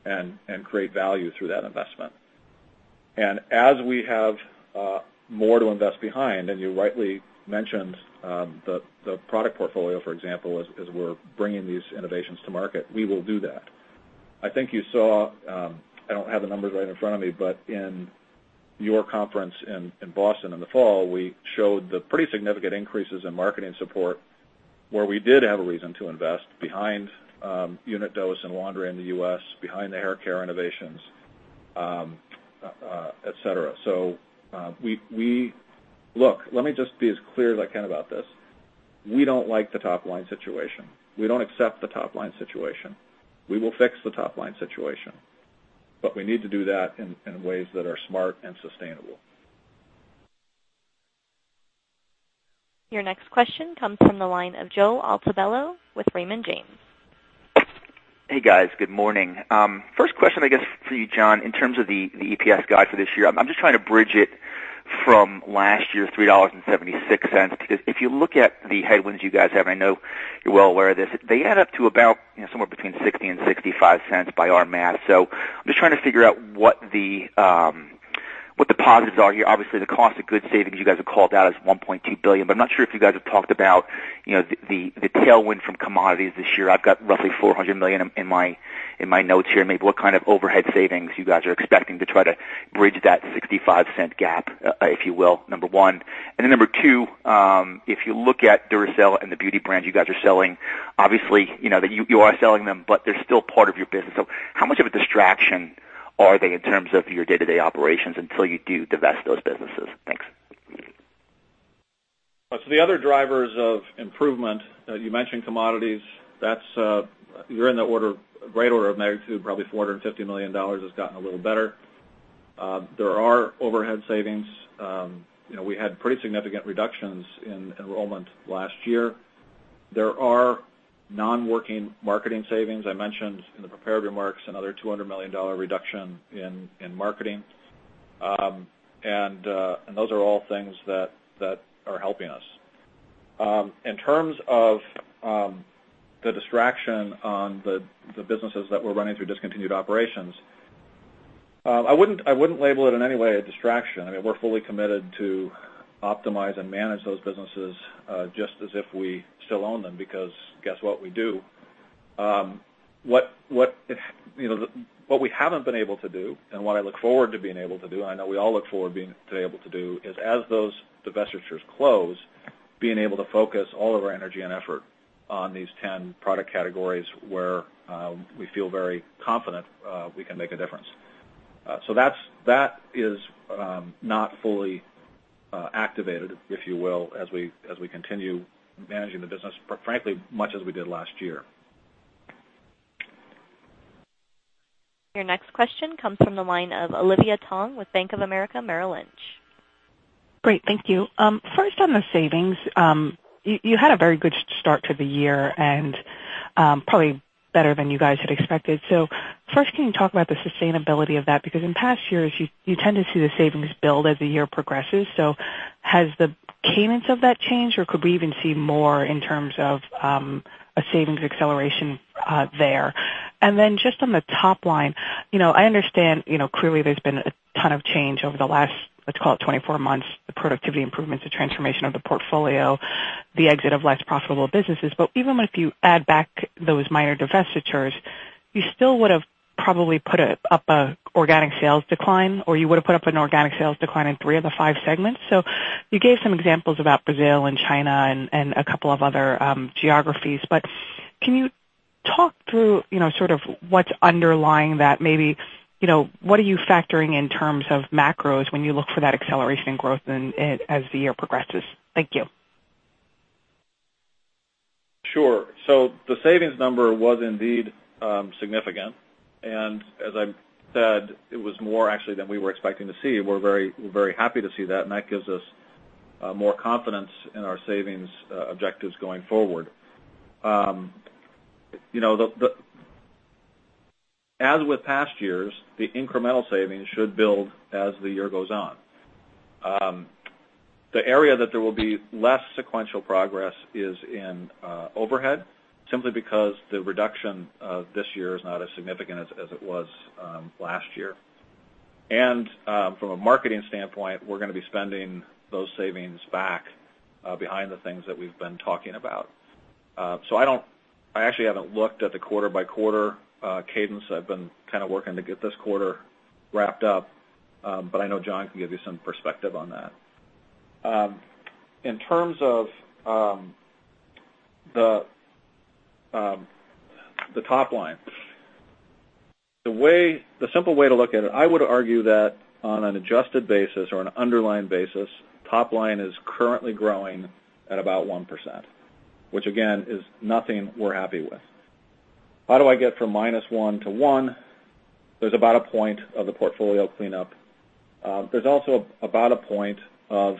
and create value through that investment? As we have more to invest behind, and you rightly mentioned the product portfolio, for example, as we're bringing these innovations to market, we will do that. I think you saw, I don't have the numbers right in front of me, but in your conference in Boston in the fall, we showed the pretty significant increases in marketing support where we did have a reason to invest behind unit dose and laundry in the U.S., behind the haircare innovations, et cetera. Look, let me just be as clear as I can about this. We don't like the top-line situation. We don't accept the top-line situation. We will fix the top-line situation. We need to do that in ways that are smart and sustainable. Your next question comes from the line of Joe Altobello with Raymond James. Hey, guys. Good morning. First question, I guess, for you, Jon, in terms of the EPS guide for this year. I'm just trying to bridge it from last year's $3.76. If you look at the headwinds you guys have, I know you're well aware of this, they add up to about somewhere between $0.60 and $0.65 by our math. I'm just trying to figure out what the positives are here. Obviously, the cost of goods savings you guys have called out is $1.2 billion, I'm not sure if you guys have talked about the tailwind from commodities this year. I've got roughly $400 million in my notes here. Maybe what kind of overhead savings you guys are expecting to try to bridge that $0.65 gap, if you will, number one. Number two, if you look at Duracell and the Beauty brands you guys are selling, obviously, you are selling them, they're still part of your business. How much of a distraction are they in terms of your day-to-day operations until you do divest those businesses? Thanks. The other drivers of improvement, you mentioned commodities. You're in the great order of magnitude, probably $450 million. It's gotten a little better. There are overhead savings. We had pretty significant reductions in enrollment last year. There are non-working marketing savings. I mentioned in the prepared remarks another $200 million reduction in marketing. Those are all things that are helping us. In terms of the distraction on the businesses that we're running through discontinued operations, I wouldn't label it in any way a distraction. We're fully committed to optimize and manage those businesses, just as if we still own them, because guess what? We do. What we haven't been able to do and what I look forward to being able to do, and I know we all look forward to being able to do, is as those divestitures close, being able to focus all of our energy and effort on these 10 product categories where we feel very confident we can make a difference. That is not fully activated, if you will, as we continue managing the business, frankly, much as we did last year. Your next question comes from the line of Olivia Tong with Bank of America Merrill Lynch. Great. Thank you. First, on the savings, you had a very good start to the year and probably better than you guys had expected. First, can you talk about the sustainability of that? Because in past years, you tend to see the savings build as the year progresses. Has the cadence of that changed, or could we even see more in terms of a savings acceleration there? Then just on the top line, I understand clearly there's been a ton of change over the last, let's call it 24 months, the productivity improvements, the transformation of the portfolio, the exit of less profitable businesses. But even if you add back those minor divestitures, you still would have probably put up an organic sales decline, or you would have put up an organic sales decline in three of the five segments. You gave some examples about Brazil and China and a couple of other geographies, but can you talk through sort of what's underlying that? Maybe what are you factoring in terms of macros when you look for that acceleration growth as the year progresses? Thank you. Sure. The savings number was indeed significant. As I said, it was more actually than we were expecting to see. We're very happy to see that, and that gives us more confidence in our savings objectives going forward. As with past years, the incremental savings should build as the year goes on. The area that there will be less sequential progress is in overhead, simply because the reduction this year is not as significant as it was last year. From a marketing standpoint, we're going to be spending those savings back behind the things that we've been talking about. I actually haven't looked at the quarter-by-quarter cadence. I've been kind of working to get this quarter wrapped up, but I know Jon can give you some perspective on that. In terms of the top line, the simple way to look at it, I would argue that on an adjusted basis or an underlying basis, top line is currently growing at about 1%, which, again, is nothing we're happy with. How do I get from -1% to 1%? There's about a point of the portfolio cleanup. There's also about a point of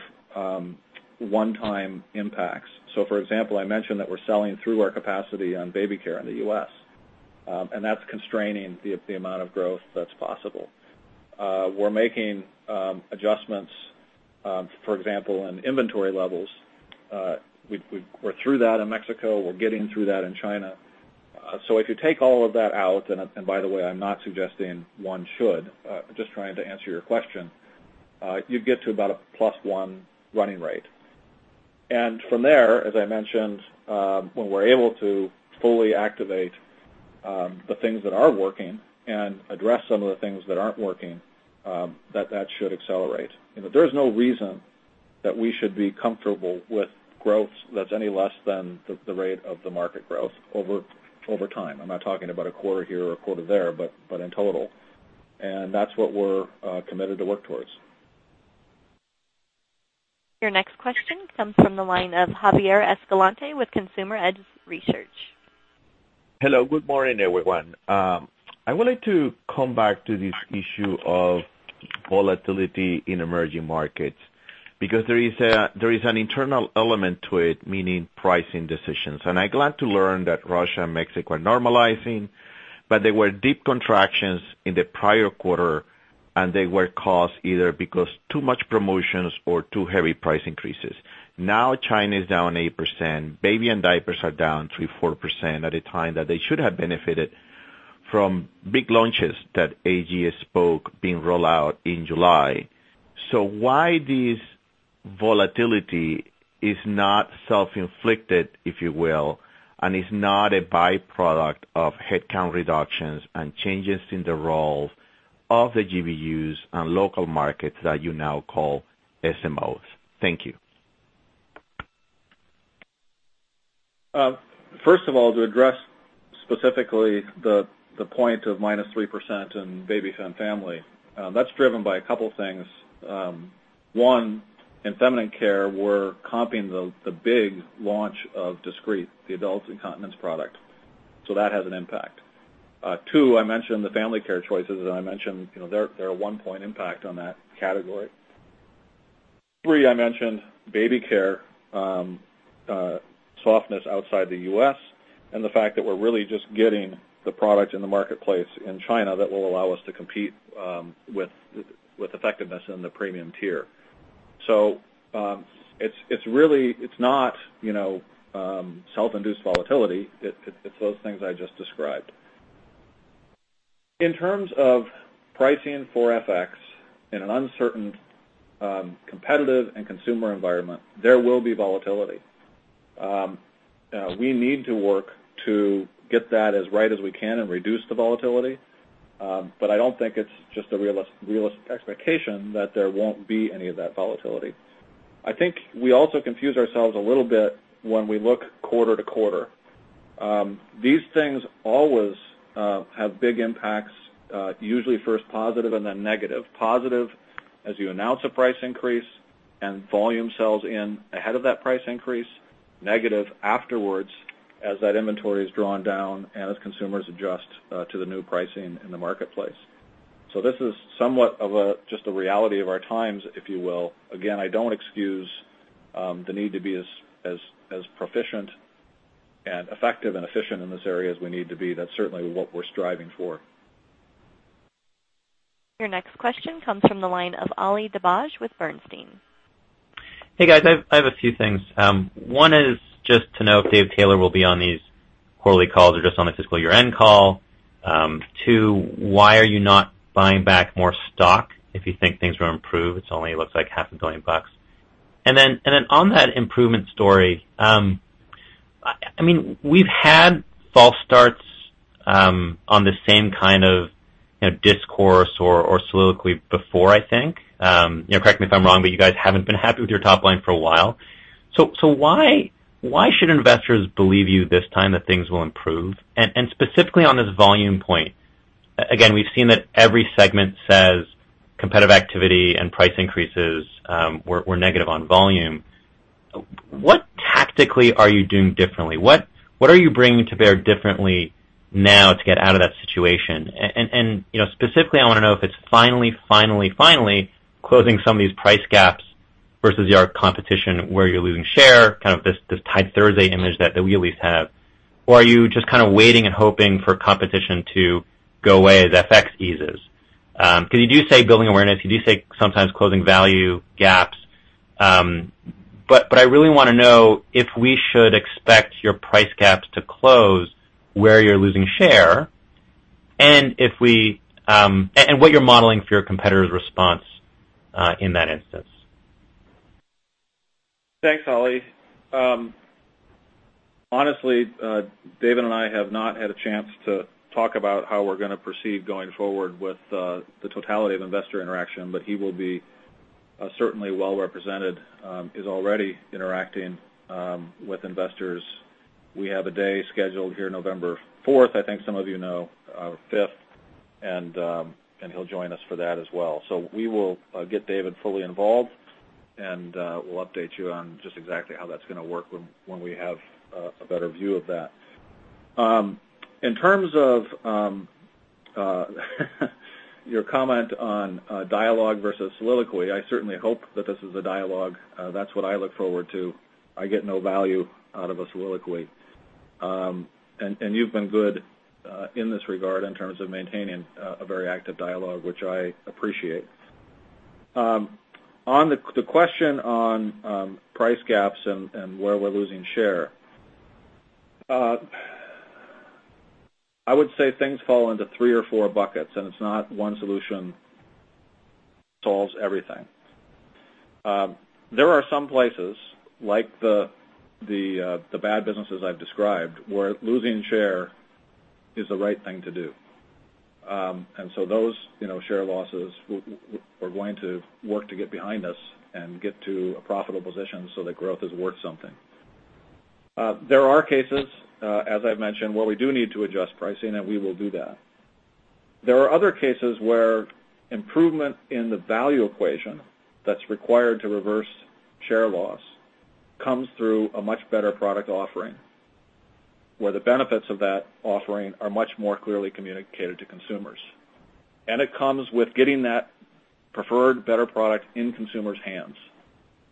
one-time impacts. For example, I mentioned that we're selling through our capacity on Baby Care in the U.S., and that's constraining the amount of growth that's possible. We're making adjustments, for example, in inventory levels. We're through that in Mexico. We're getting through that in China. If you take all of that out, and by the way, I'm not suggesting one should, just trying to answer your question, you'd get to about a +1 running rate. From there, as I mentioned, when we're able to fully activate the things that are working and address some of the things that aren't working, that should accelerate. There's no reason that we should be comfortable with growth that's any less than the rate of the market growth over time. I'm not talking about a quarter here or a quarter there, but in total. That's what we're committed to work towards. Your next question comes from the line of Javier Escalante with Consumer Edge Research. Hello. Good morning, everyone. I would like to come back to this issue of volatility in emerging markets, because there is an internal element to it, meaning pricing decisions. I'm glad to learn that Russia and Mexico are normalizing, but there were deep contractions in the prior quarter. They were caused either because too much promotions or too heavy price increases. China is down 8%, baby and diapers are down 3%-4% at a time that they should have benefited from big launches that A.G. spoke being rolled out in July. Why this volatility is not self-inflicted, if you will, and is not a byproduct of headcount reductions and changes in the roles of the GBUs and local markets that you now call SMOs? Thank you. First of all, to address specifically the point of -3% in baby, fem, family, that's driven by a couple things. One, in Feminine Care, we're comping the big launch of Discreet, the adult incontinence product. That has an impact. Two, I mentioned the Family Care choices, and I mentioned they're a one-point impact on that category. Three, I mentioned Baby Care softness outside the U.S. and the fact that we're really just getting the product in the marketplace in China that will allow us to compete with effectiveness in the premium tier. It's not self-induced volatility. It's those things I just described. In terms of pricing for FX in an uncertain competitive and consumer environment, there will be volatility. We need to work to get that as right as we can and reduce the volatility. I don't think it's just a realistic expectation that there won't be any of that volatility. I think we also confuse ourselves a little bit when we look quarter-to-quarter. These things always have big impacts, usually first positive and then negative. Positive as you announce a price increase and volume sells in ahead of that price increase, negative afterwards as that inventory is drawn down and as consumers adjust to the new pricing in the marketplace. This is somewhat of just a reality of our times, if you will. Again, I don't excuse the need to be as proficient and effective and efficient in this area as we need to be. That's certainly what we're striving for. Your next question comes from the line of Ali Dibadj with Bernstein. Hey, guys. I have a few things. One is just to know if Dave Taylor will be on these quarterly calls or just on the fiscal year-end call. Two, why are you not buying back more stock if you think things will improve? It's only looks like $500,000,000. On that improvement story, we've had false starts on the same kind of discourse or soliloquy before, I think. Correct me if I'm wrong, you guys haven't been happy with your top line for a while. Why should investors believe you this time that things will improve? Specifically on this volume point, again, we've seen that every segment says competitive activity and price increases were negative on volume. What tactically are you doing differently? What are you bringing to bear differently now to get out of that situation? Specifically, I want to know if it's finally closing some of these price gaps versus your competition where you're losing share, kind of this Tide Thursday image that we at least have. Are you just kind of waiting and hoping for competition to go away as FX eases? You do say building awareness, you do say sometimes closing value gaps. I really want to know if we should expect your price gaps to close where you're losing share, and what you're modeling for your competitor's response in that instance. Thanks, Ali. Honestly, David and I have not had a chance to talk about how we're going to proceed going forward with the totality of investor interaction, he will be certainly well represented, is already interacting with investors. We have a day scheduled here November 4th, I think some of you know, or 5th, and he'll join us for that as well. We will get David fully involved. We'll update you on just exactly how that's going to work when we have a better view of that. In terms of your comment on dialogue versus soliloquy, I certainly hope that this is a dialogue. That's what I look forward to. I get no value out of a soliloquy. You've been good in this regard in terms of maintaining a very active dialogue, which I appreciate. On the question on price gaps and where we're losing share, I would say things fall into three or four buckets, it's not one solution solves everything. There are some places, like the bad businesses I've described, where losing share is the right thing to do. Those share losses, we're going to work to get behind us and get to a profitable position so that growth is worth something. There are cases, as I've mentioned, where we do need to adjust pricing, we will do that. There are other cases where improvement in the value equation that's required to reverse share loss comes through a much better product offering, where the benefits of that offering are much more clearly communicated to consumers. It comes with getting that preferred better product in consumers' hands,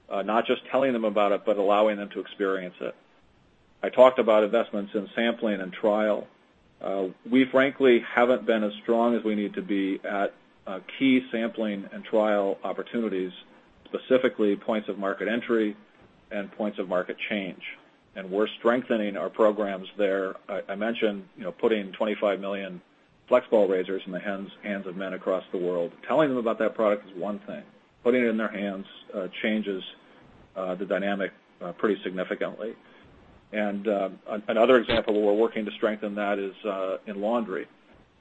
not just telling them about it, but allowing them to experience it. I talked about investments in sampling and trial. We frankly haven't been as strong as we need to be at key sampling and trial opportunities, specifically points of market entry and points of market change. We're strengthening our programs there. I mentioned putting $25 million FlexBall razors in the hands of men across the world. Telling them about that product is one thing. Putting it in their hands changes the dynamic pretty significantly. Another example where we're working to strengthen that is in laundry,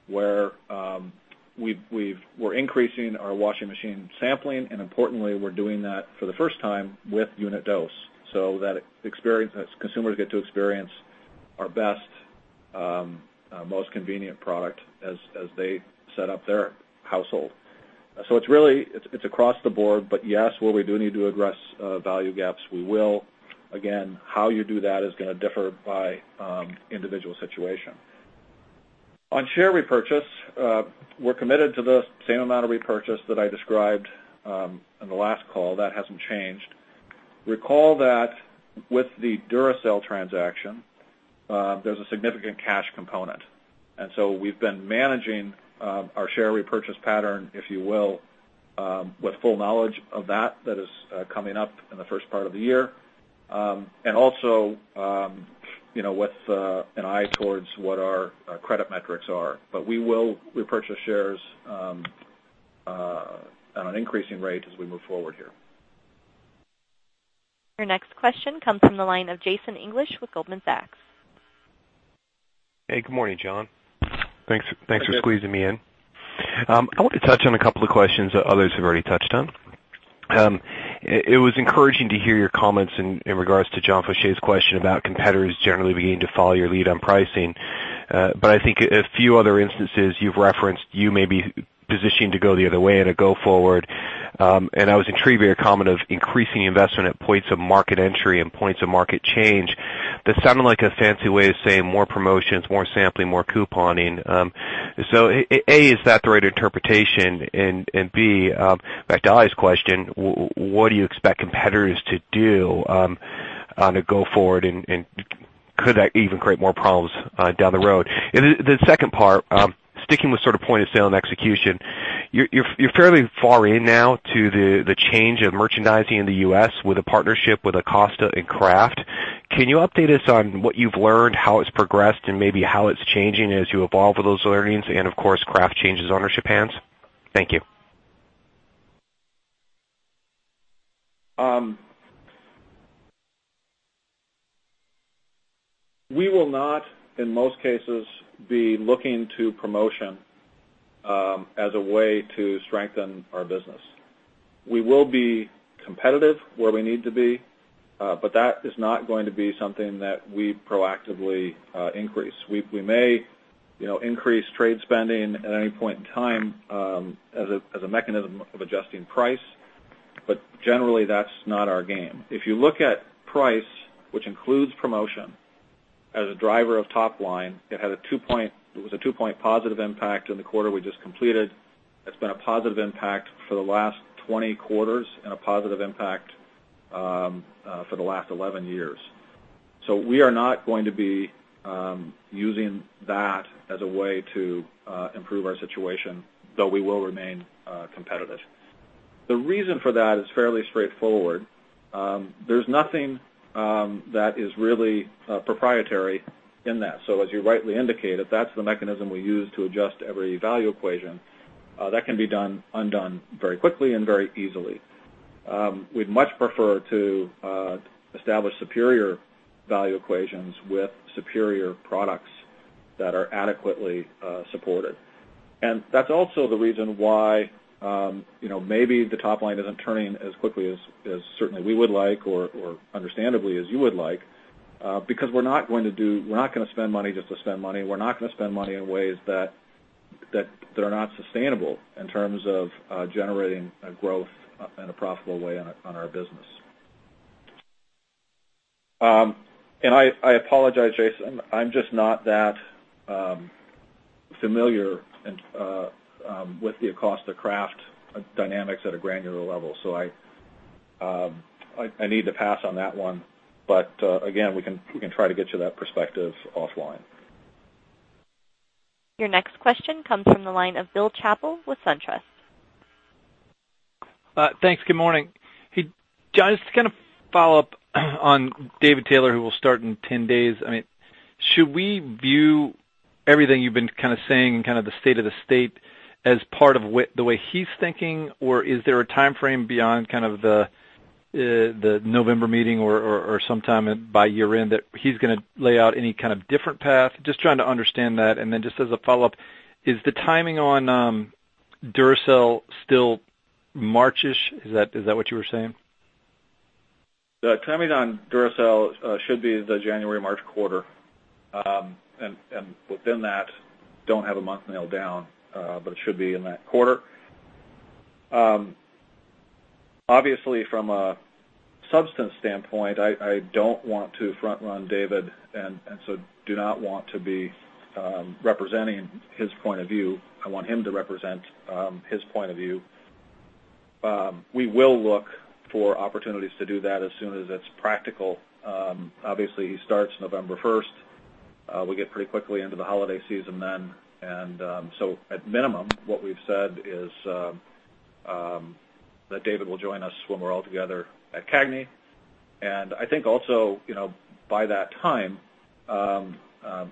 where we're increasing our washing machine sampling. Importantly, we're doing that for the first time with unit dose, so that consumers get to experience our best, most convenient product as they set up their household. It's across the board. Yes, where we do need to address value gaps, we will. Again, how you do that is going to differ by individual situation. On share repurchase, we're committed to the same amount of repurchase that I described on the last call. That hasn't changed. Recall that with the Duracell transaction, there's a significant cash component. We've been managing our share repurchase pattern, if you will, with full knowledge of that is coming up in the first part of the year. Also, with an eye towards what our credit metrics are. We will repurchase shares at an increasing rate as we move forward here. Your next question comes from the line of Jason English with Goldman Sachs. Hey, good morning, Jon. Thanks for- Hey, Jason. squeezing me in. I want to touch on a couple of questions that others have already touched on. It was encouraging to hear your comments in regards to John Faucher's question about competitors generally beginning to follow your lead on pricing. I think a few other instances you've referenced, you may be positioned to go the other way in a go forward. I was intrigued by your comment of increasing investment at points of market entry and points of market change. That sounded like a fancy way of saying more promotions, more sampling, more couponing. A, is that the right interpretation? B, back to Ali's question, what do you expect competitors to do on a go forward, and could that even create more problems down the road? The second part, sticking with point of sale and execution, you're fairly far in now to the change of merchandising in the U.S. with a partnership with Acosta and Kraft. Can you update us on what you've learned, how it's progressed, and maybe how it's changing as you evolve with those learnings and, of course, Kraft changes ownership hands? Thank you. We will not, in most cases, be looking to promotion as a way to strengthen our business. We will be competitive where we need to be, that is not going to be something that we proactively increase. We may increase trade spending at any point in time as a mechanism of adjusting price, generally, that's not our game. If you look at price, which includes promotion, as a driver of top line, it was a two-point positive impact in the quarter we just completed. It's been a positive impact for the last 20 quarters and a positive impact for the last 11 years. We are not going to be using that as a way to improve our situation, though we will remain competitive. The reason for that is fairly straightforward. There's nothing that is really proprietary in that. As you rightly indicated, that's the mechanism we use to adjust every value equation. That can be undone very quickly and very easily. We'd much prefer to establish superior value equations with superior products that are adequately supported. That's also the reason why maybe the top line isn't turning as quickly as certainly we would like, or understandably, as you would like because we're not going to spend money just to spend money. We're not going to spend money in ways that are not sustainable in terms of generating a growth in a profitable way on our business. I apologize, Jason. I'm just not that familiar with the Acosta Kraft dynamics at a granular level, I need to pass on that one. Again, we can try to get you that perspective offline. Your next question comes from the line of Bill Chappell with SunTrust. Thanks. Good morning. Hey, John, just to kind of follow up on David Taylor, who will start in 10 days. Should we view everything you've been saying and kind of the state of the state as part of the way he's thinking, or is there a timeframe beyond the November meeting or sometime by year-end that he's going to lay out any kind of different path? Just trying to understand that. Then just as a follow-up, is the timing on Duracell still March-ish? Is that what you were saying? The timing on Duracell should be the January, March quarter. Within that, don't have a month nailed down, but it should be in that quarter. Obviously, from a substance standpoint, I don't want to front-run David, and so do not want to be representing his point of view. I want him to represent his point of view. We will look for opportunities to do that as soon as it's practical. Obviously, he starts November 1st. We get pretty quickly into the holiday season then. At minimum, what we've said is that David will join us when we're all together at CAGNY. I think also, by that time,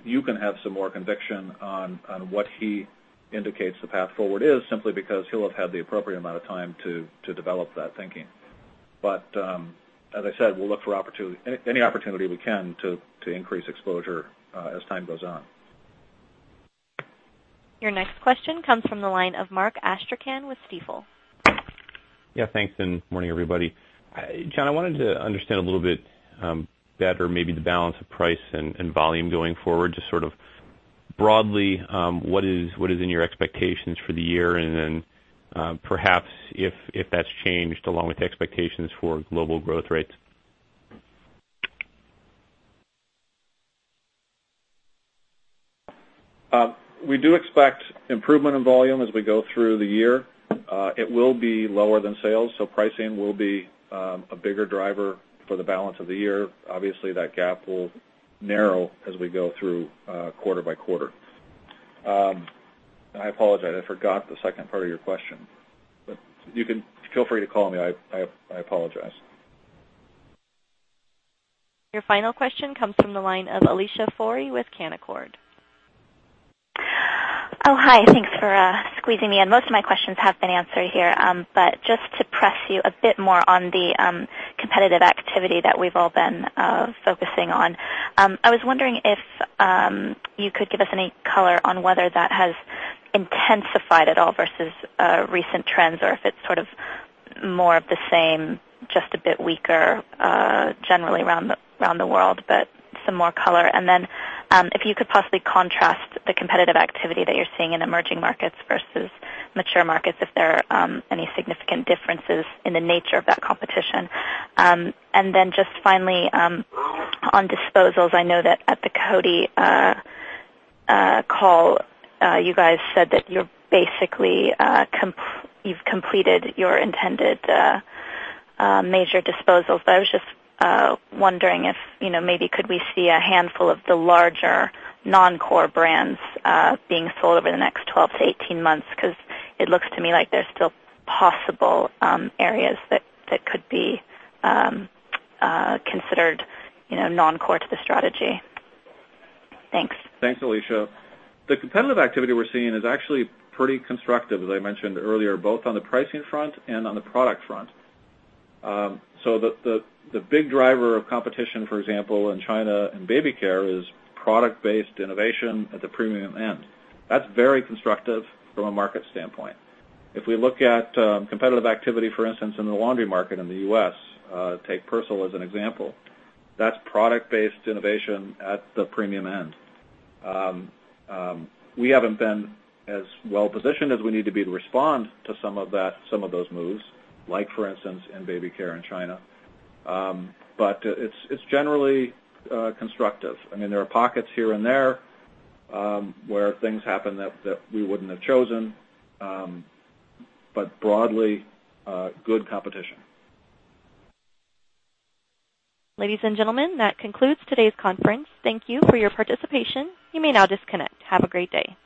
you can have some more conviction on what he indicates the path forward is simply because he'll have had the appropriate amount of time to develop that thinking. As I said, we'll look for any opportunity we can to increase exposure as time goes on. Your next question comes from the line of Mark Astrachan with Stifel. Yeah, thanks, morning, everybody. John, I wanted to understand a little bit better maybe the balance of price and volume going forward. Just sort of broadly, what is in your expectations for the year, and then perhaps if that's changed along with expectations for global growth rates. We do expect improvement in volume as we go through the year. It will be lower than sales. Pricing will be a bigger driver for the balance of the year. Obviously, that gap will narrow as we go through quarter by quarter. I apologize. I forgot the second part of your question. Feel free to call me. I apologize. Your final question comes from the line of Alicia Forry with Canaccord. Oh, hi. Thanks for squeezing me in. Most of my questions have been answered here. Just to press you a bit more on the competitive activity that we've all been focusing on. I was wondering if you could give us any color on whether that has intensified at all versus recent trends, or if it's sort of more of the same, just a bit weaker generally around the world, but some more color. If you could possibly contrast the competitive activity that you're seeing in emerging markets versus mature markets, if there are any significant differences in the nature of that competition. Just finally, on disposals, I know that at the Coty call, you guys said that you've completed your intended major disposals. I was just wondering if maybe could we see a handful of the larger non-core brands being sold over the next 12-18 months? It looks to me like there's still possible areas that could be considered non-core to the strategy. Thanks. Thanks, Alicia. The competitive activity we're seeing is actually pretty constructive, as I mentioned earlier, both on the pricing front and on the product front. The big driver of competition, for example, in China in Baby Care is product-based innovation at the premium end. That's very constructive from a market standpoint. If we look at competitive activity, for instance, in the laundry market in the U.S., take Persil as an example. That's product-based innovation at the premium end. We haven't been as well positioned as we need to be to respond to some of those moves, like for instance, in Baby Care in China. It's generally constructive. There are pockets here and there where things happen that we wouldn't have chosen. Broadly, good competition. Ladies and gentlemen, that concludes today's conference. Thank you for your participation. You may now disconnect. Have a great day.